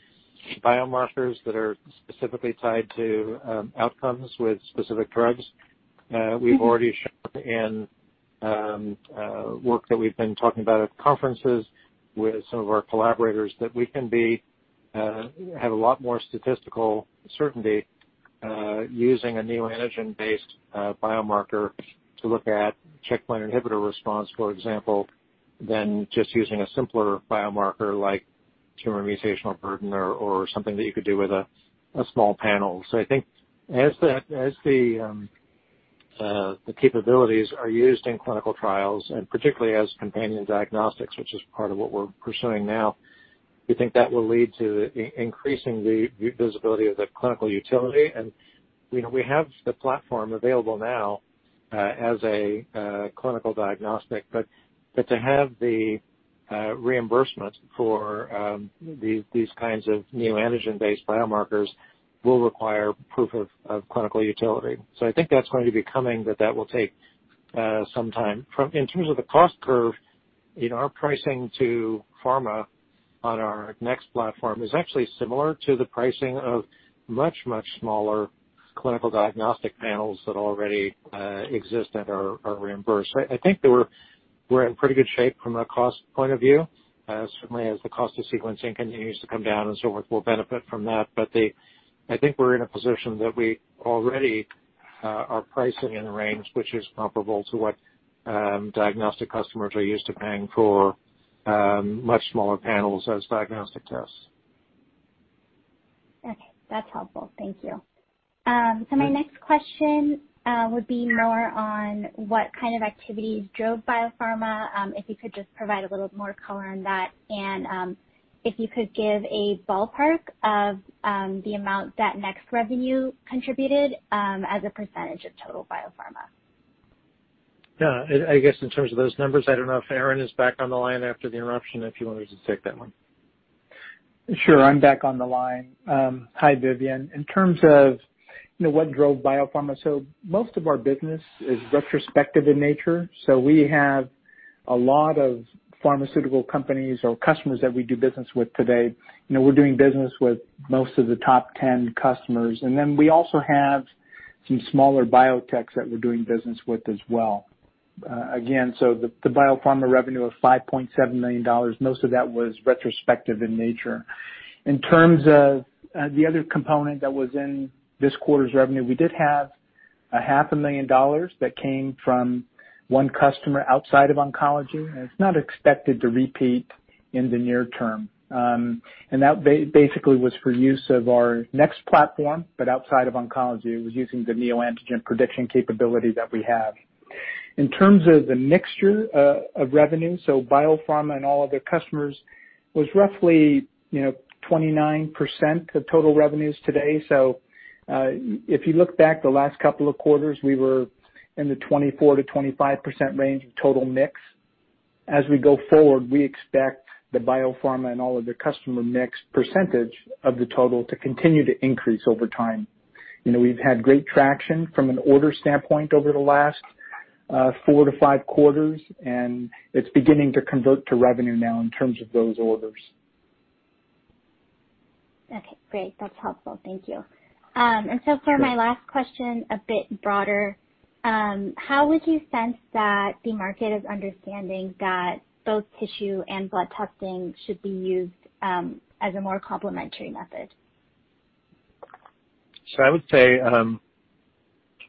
S3: biomarkers that are specifically tied to outcomes with specific drugs. We've already shown in work that we've been talking about at conferences with some of our collaborators that we can have a lot more statistical certainty using a neoantigens-based biomarker to look at checkpoint inhibitor response, for example, than just using a simpler biomarker like tumor mutational burden or something that you could do with a small panel. I think as the capabilities are used in clinical trials, and particularly as companion diagnostics, which is part of what we're pursuing now, we think that will lead to increasing the visibility of the clinical utility. We have the platform available now as a clinical diagnostic, but to have the reimbursement for these kinds of neoantigens-based biomarkers will require proof of clinical utility. I think that's going to be coming, that that will take some time. In terms of the cost curve, our pricing to pharma on our NeXT platform is actually similar to the pricing of much, much smaller clinical diagnostic panels that already exist and are reimbursed. I think we're in pretty good shape from a cost point of view, certainly as the cost of sequencing continues to come down and so forth. We'll benefit from that. I think we're in a position that we already are pricing in the range which is comparable to what diagnostic customers are used to paying for much smaller panels as diagnostic tests.
S9: Okay. That's helpful. Thank you. My next question would be more on what kind of activities drove biopharma, if you could just provide a little more color on that, and if you could give a ballpark of the amount that NeXT revenue contributed as a percentage of total biopharma.
S3: Yeah. I guess in terms of those numbers, I don't know if Aaron is back on the line after the interruption if he wanted to take that one.
S4: Sure. I'm back on the line. Hi, Vivian. In terms of what drove biopharma, most of our business is retrospective in nature. We have a lot of pharmaceutical companies or customers that we do business with today. We're doing business with most of the top 10 customers. We also have some smaller biotechs that we're doing business with as well. Again, so the biopharma revenue of $5.7 million, most of that was retrospective in nature. In terms of the other component that was in this quarter's revenue, we did have $500,000 that came from one customer outside of oncology, and it's not expected to repeat in the near term. That basically was for use of our NeXT platform, but outside of oncology, it was using the neoantigens prediction capability that we have. In terms of the mixture of revenue, biopharma and all other customers was roughly 29% of total revenues today. If you look back the last couple of quarters, we were in the 24% to 25% range of total mix. As we go forward, we expect the biopharma and all of the customer mix percentage of the total to continue to increase over time. We've had great traction from an order standpoint over the last four to five quarters, and it's beginning to convert to revenue now in terms of those orders.
S9: Okay. Great. That's helpful. Thank you. For my last question, a bit broader, how would you sense that the market is understanding that both tissue and blood testing should be used as a more complementary method?
S3: I would say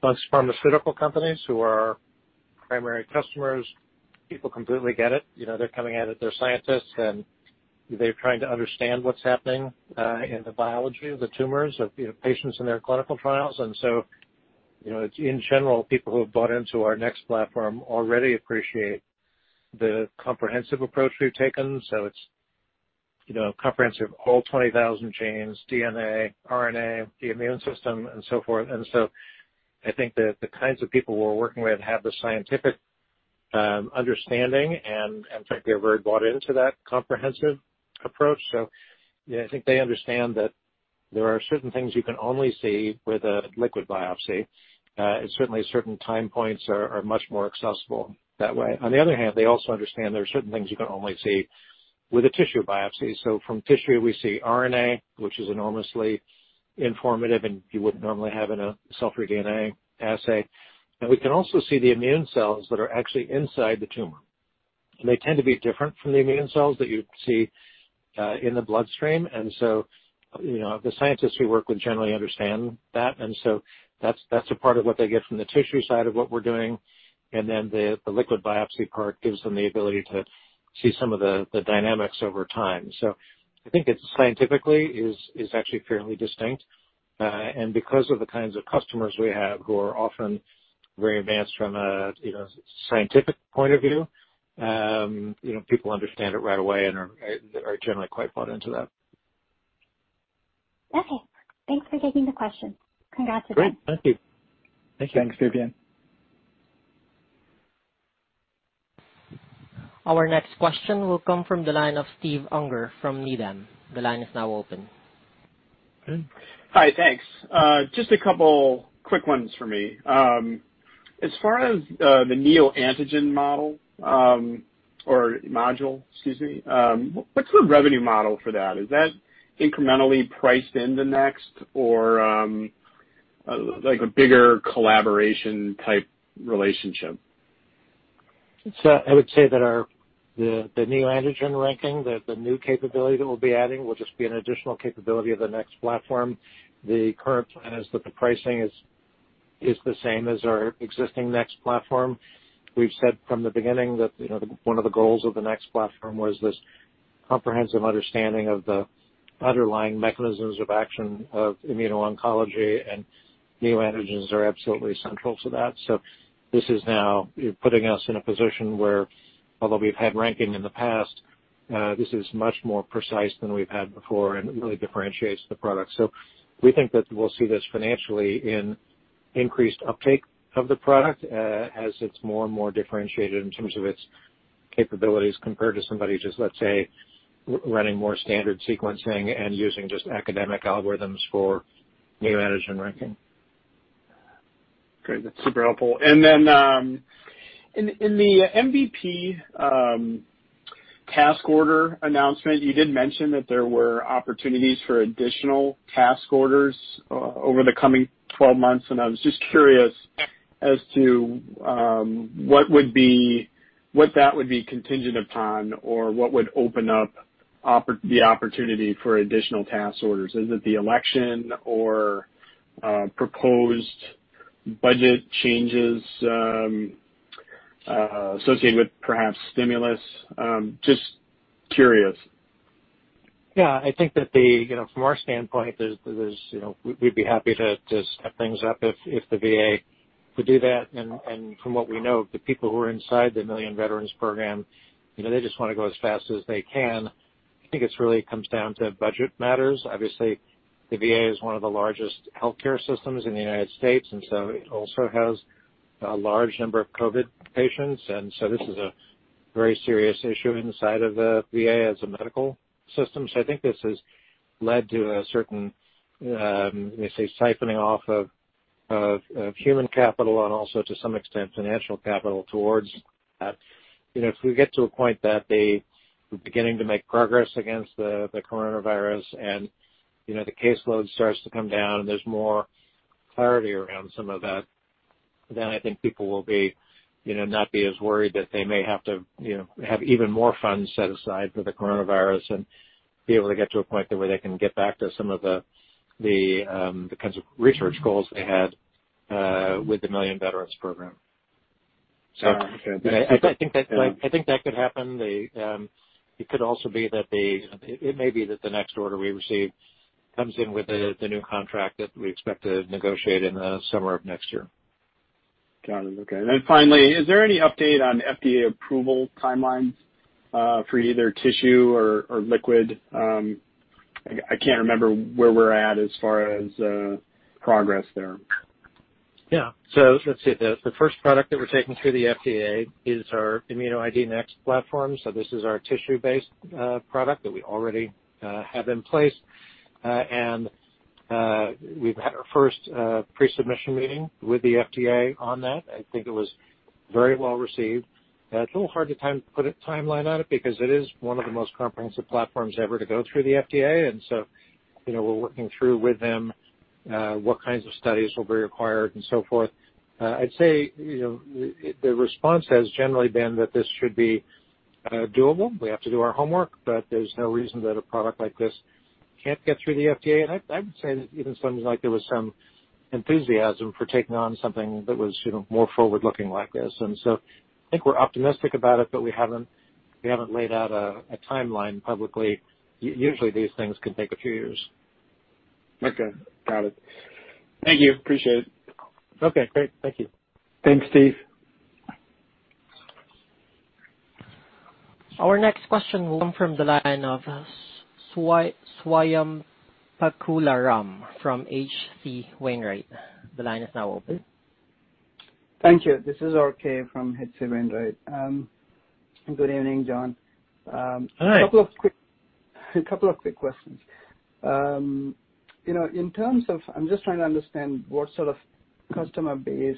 S3: most pharmaceutical companies who are primary customers, people completely get it. They're coming at it. They're scientists, and they're trying to understand what's happening in the biology of the tumors of patients in their clinical trials. In general, people who have bought into our NeXT Platform already appreciate the comprehensive approach we've taken. It's comprehensive all 20,000 genes, DNA, RNA, the immune system, and so forth. I think that the kinds of people we're working with have the scientific understanding, and I think they're very bought into that comprehensive approach. I think they understand that there are certain things you can only see with a liquid biopsy. Certainly, certain time points are much more accessible that way. On the other hand, they also understand there are certain things you can only see with a tissue biopsy. From tissue, we see RNA, which is enormously informative, and you wouldn't normally have in a cell-free DNA assay. We can also see the immune cells that are actually inside the tumor. They tend to be different from the immune cells that you see in the bloodstream. The scientists we work with generally understand that. That is a part of what they get from the tissue side of what we are doing. The liquid biopsy part gives them the ability to see some of the dynamics over time. I think scientifically it is actually fairly distinct. Because of the kinds of customers we have who are often very advanced from a scientific point of view, people understand it right away and are generally quite bought into that.
S9: Okay. Thanks for taking the question. Congrats again.
S4: Great. Thank you.
S3: Thanks, Vivian.
S1: Our next question will come from the line of Steve Unger from Needham. The line is now open.
S10: Hi. Thanks. Just a couple quick ones for me. As far as the neoantigens model or module, excuse me, what is the revenue model for that? Is that incrementally priced into NeXT or a bigger collaboration-type relationship?
S3: I would say that the neoantigens ranking, the new capability that we'll be adding, will just be an additional capability of the NeXT platform. The current plan is that the pricing is the same as our existing NeXT platform. We've said from the beginning that one of the goals of the NeXT platform was this comprehensive understanding of the underlying mechanisms of action of immuno-oncology, and neoantigens are absolutely central to that. This is now putting us in a position where, although we've had ranking in the past, this is much more precise than we've had before and really differentiates the product. We think that we'll see this financially in increased uptake of the product as it's more and more differentiated in terms of its capabilities compared to somebody just, let's say, running more standard sequencing and using just academic algorithms for neoantigens ranking.
S10: Great. That's super helpful. In the MVP task order announcement, you did mention that there were opportunities for additional task orders over the coming 12 months. I was just curious as to what that would be contingent upon or what would open up the opportunity for additional task orders. Is it the election or proposed budget changes associated with perhaps stimulus? Just curious.
S3: Yeah. I think that from our standpoint, we'd be happy to step things up if the VA could do that. From what we know, the people who are inside the Million Veteran Program, they just want to go as fast as they can. I think it really comes down to budget matters. Obviously, the VA is one of the largest healthcare systems in the United States, and so it also has a large number of COVID patients. This is a very serious issue inside of the VA as a medical system. I think this has led to a certain, let me say, siphoning off of human capital and also, to some extent, financial capital towards that. If we get to a point that we're beginning to make progress against the coronavirus and the caseload starts to come down and there's more clarity around some of that, I think people will not be as worried that they may have to have even more funds set aside for the coronavirus and be able to get to a point where they can get back to some of the kinds of research goals they had with the Million Veterans Program. I think that could happen. It could also be that it may be that the next order we receive comes in with the new contract that we expect to negotiate in the summer of next year.
S8: Got it. Okay. Finally, is there any update on FDA approval timelines for either tissue or liquid? I can't remember where we're at as far as progress there.
S3: Yeah. Let's see. The first product that we're taking through the FDA is our ImmunoID NeXT platform. This is our tissue-based product that we already have in place. We've had our first pre-submission meeting with the FDA on that. I think it was very well received. It's a little hard to put a timeline on it because it is one of the most comprehensive platforms ever to go through the FDA. We're working through with them what kinds of studies will be required and so forth. I'd say the response has generally been that this should be doable. We have to do our homework, but there's no reason that a product like this can't get through the FDA. I would say that even sometimes there was some enthusiasm for taking on something that was more forward-looking like this. I think we're optimistic about it, but we haven't laid out a timeline publicly. Usually, these things can take a few years.
S10: Okay. Got it. Thank you. Appreciate it.
S1: Okay. Great. Thank you.
S4: Thanks, Steve.
S1: Our next question will come from the line of Swayampakula Ramakanth from H.C. Wainwright. The line is now open. Thank you.
S11: This is RK from H.C. Wainwright. Good evening, John.
S3: Hi.
S11: A couple of quick questions. In terms of I'm just trying to understand what sort of customer base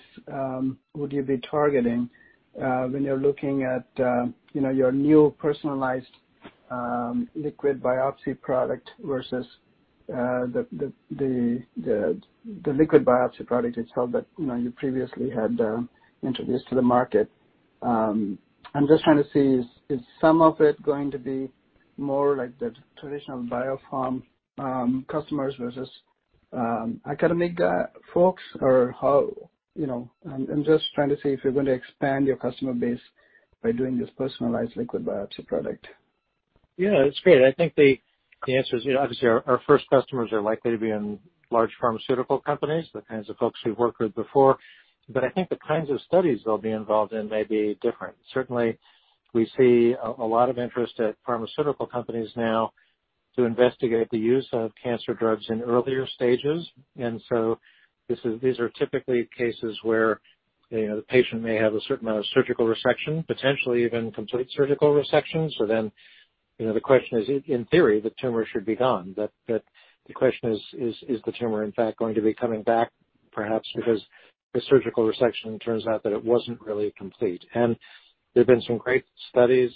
S11: would you be targeting when you're looking at your new personalized liquid biopsy product versus the liquid biopsy product itself that you previously had introduced to the market. I'm just trying to see, is some of it going to be more like the traditional biopharma customers versus academic folks, or how I'm just trying to see if you're going to expand your customer base by doing this personalized liquid biopsy product.
S3: Yeah. That's great. I think the answer is obviously our first customers are likely to be in large pharmaceutical companies, the kinds of folks we've worked with before. I think the kinds of studies they'll be involved in may be different. Certainly, we see a lot of interest at pharmaceutical companies now to investigate the use of cancer drugs in earlier stages. These are typically cases where the patient may have a certain amount of surgical resection, potentially even complete surgical resection. The question is, in theory, the tumor should be gone. The question is, is the tumor in fact going to be coming back perhaps because the surgical resection turns out that it was not really complete. There have been some great studies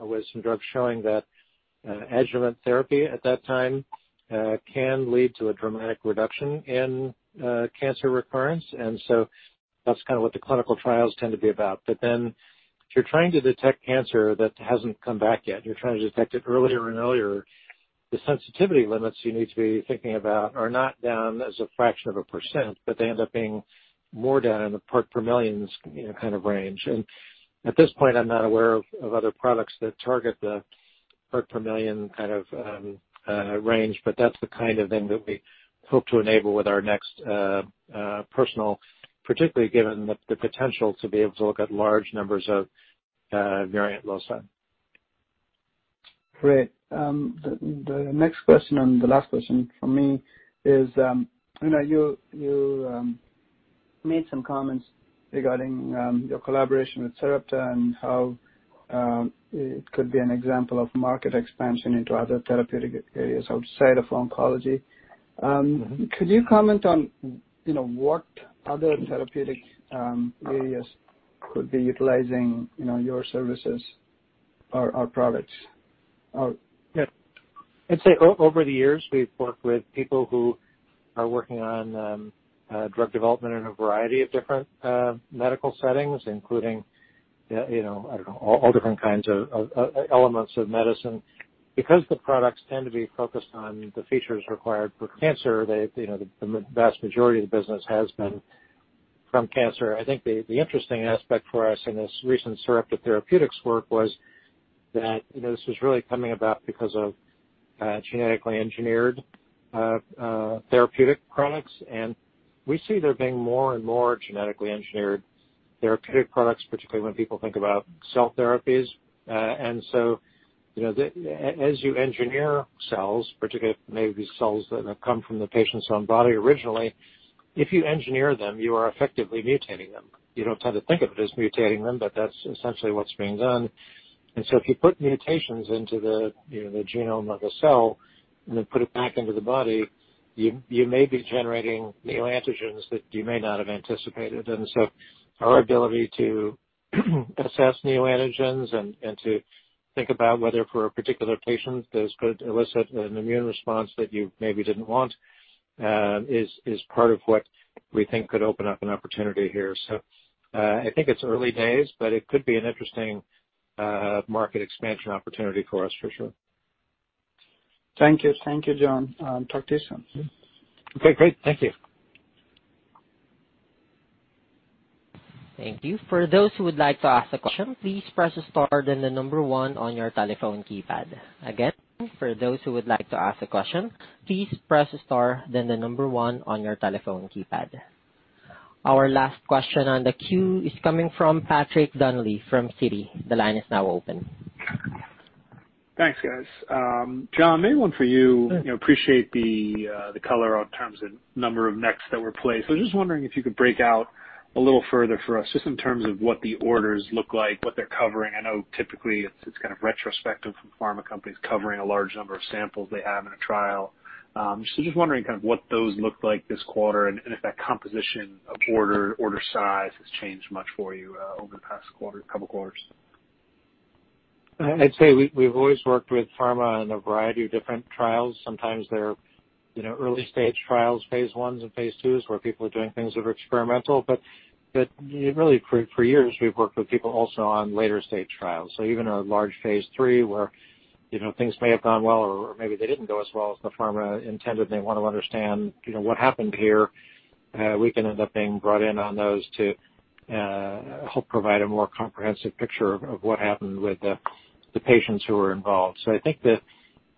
S3: with some drugs showing that adjuvant therapy at that time can lead to a dramatic reduction in cancer recurrence. That is kind of what the clinical trials tend to be about. If you're trying to detect cancer that hasn't come back yet, you're trying to detect it earlier and earlier, the sensitivity limits you need to be thinking about are not down as a fraction of a percent, but they end up being more down in the part per million kind of range. At this point, I'm not aware of other products that target the part per million kind of range, but that's the kind of thing that we hope to enable with our NeXT Personal, particularly given the potential to be able to look at large numbers of variant loci.
S11: Great. The next question and the last question from me is you made some comments regarding your collaboration with Sarepta and how it could be an example of market expansion into other therapeutic areas outside of oncology. Could you comment on what other therapeutic areas could be utilizing your services or products?
S3: Yeah. I'd say over the years, we've worked with people who are working on drug development in a variety of different medical settings, including, I don't know, all different kinds of elements of medicine. Because the products tend to be focused on the features required for cancer, the vast majority of the business has been from cancer. I think the interesting aspect for us in this recent Sarepta Therapeutics work was that this was really coming about because of genetically engineered therapeutic products. We see there being more and more genetically engineered therapeutic products, particularly when people think about cell therapies. As you engineer cells, particularly maybe cells that have come from the patient's own body originally, if you engineer them, you are effectively mutating them. You do not tend to think of it as mutating them, but that is essentially what is being done. If you put mutations into the genome of a cell and then put it back into the body, you may be generating neoantigens that you may not have anticipated. Our ability to assess neoantigens and to think about whether for a particular patient those could elicit an immune response that you maybe did not want is part of what we think could open up an opportunity here. I think it is early days, but it could be an interesting market expansion opportunity for us for sure. Thank you.
S11: Thank you, John. Talk to you soon.
S3: Okay. Great. Thank you.
S1: Thank you. For those who would like to ask a question, please press star then the number one on your telephone keypad. Again, for those who would like to ask a question, please press star then the number one on your telephone keypad. Our last question on the queue is coming from Patrick Donnelly from Citi. The line is now open.
S12: Thanks, guys. John, mainly for you, appreciate the color in terms of number of NeXT that were placed. Just wondering if you could break out a little further for us just in terms of what the orders look like, what they're covering. I know typically it's kind of retrospective from pharma companies covering a large number of samples they have in a trial. Just wondering kind of what those looked like this quarter and if that composition of order size has changed much for you over the past couple quarters.
S3: I'd say we've always worked with pharma in a variety of different trials. Sometimes they're early-stage trials, phase I and phase IIs where people are doing things that are experimental. For years, we've worked with people also on later-stage trials. Even a large phase III where things may have gone well or maybe they didn't go as well as the pharma intended, and they want to understand what happened here, we can end up being brought in on those to help provide a more comprehensive picture of what happened with the patients who were involved. I think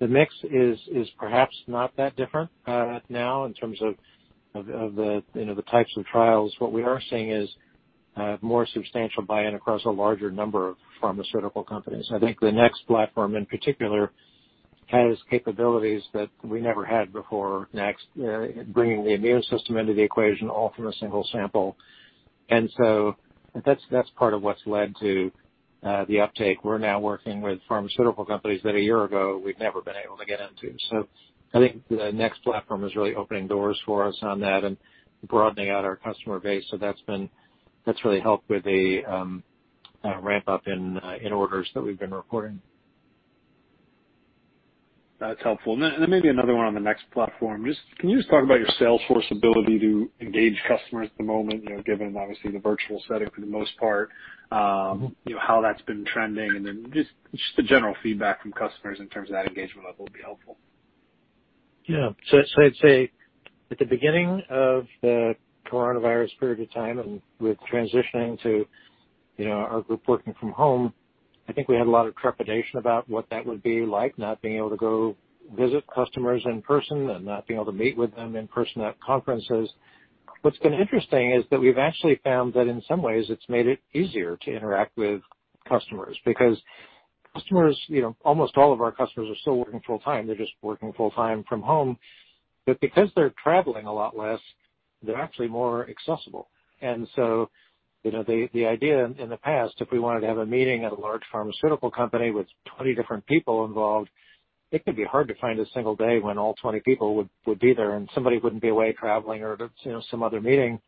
S3: the mix is perhaps not that different now in terms of the types of trials. What we are seeing is more substantial buy-in across a larger number of pharmaceutical companies. I think the NeXT Platform in particular has capabilities that we never had before, NeXT, bringing the immune system into the equation all from a single sample. That's part of what's led to the uptake. We're now working with pharmaceutical companies that a year ago we've never been able to get into. I think the NeXT Platform is really opening doors for us on that and broadening out our customer base. That's really helped with the ramp-up in orders that we've been reporting.
S12: That's helpful. Maybe another one on the NeXT Platform. Can you just talk about your Salesforce ability to engage customers at the moment, given obviously the virtual setting for the most part, how that's been trending? The general feedback from customers in terms of that engagement level would be helpful.
S3: Yeah. I'd say at the beginning of the coronavirus period of time and with transitioning to our group working from home, I think we had a lot of trepidation about what that would be like, not being able to go visit customers in person and not being able to meet with them in person at conferences. What's been interesting is that we've actually found that in some ways, it's made it easier to interact with customers because almost all of our customers are still working full-time. They're just working full-time from home. Because they're traveling a lot less, they're actually more accessible. The idea in the past, if we wanted to have a meeting at a large pharmaceutical company with 20 different people involved, it could be hard to find a single day when all 20 people would be there and somebody would not be away traveling or some other meeting.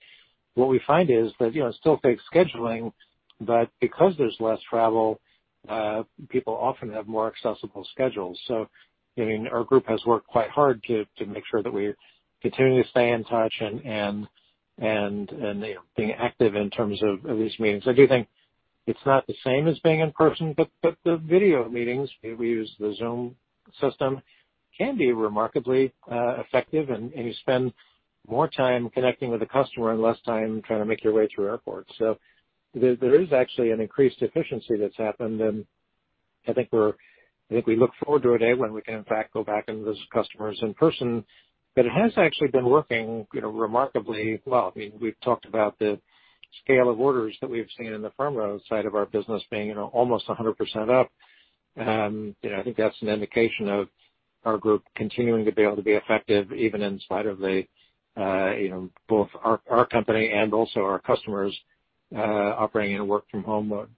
S3: What we find is that it is still fixed scheduling, but because there is less travel, people often have more accessible schedules. I mean, our group has worked quite hard to make sure that we continue to stay in touch and being active in terms of these meetings. I do think it is not the same as being in person, but the video meetings we use, the Zoom system, can be remarkably effective, and you spend more time connecting with a customer and less time trying to make your way through airports. There is actually an increased efficiency that has happened. I think we look forward to a day when we can in fact go back and visit customers in person. It has actually been working remarkably well. I mean, we've talked about the scale of orders that we've seen in the pharma side of our business being almost 100% up. I think that's an indication of our group continuing to be able to be effective even in spite of both our company and also our customers operating in a work-from-home mode.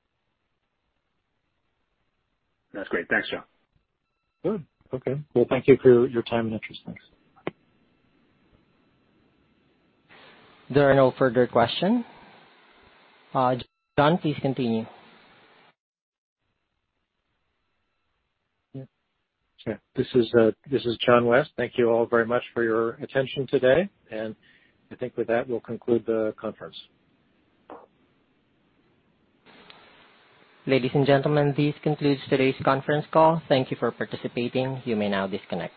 S12: That's great. Thanks, John.
S3: Good. Thank you for your time and interest. Thanks.
S1: There are no further questions. John, please continue.
S3: This is John West. Thank you all very much for your attention today. I think with that, we'll conclude the conference.
S1: Ladies and gentlemen, this concludes today's conference call. Thank you for participating. You may now disconnect.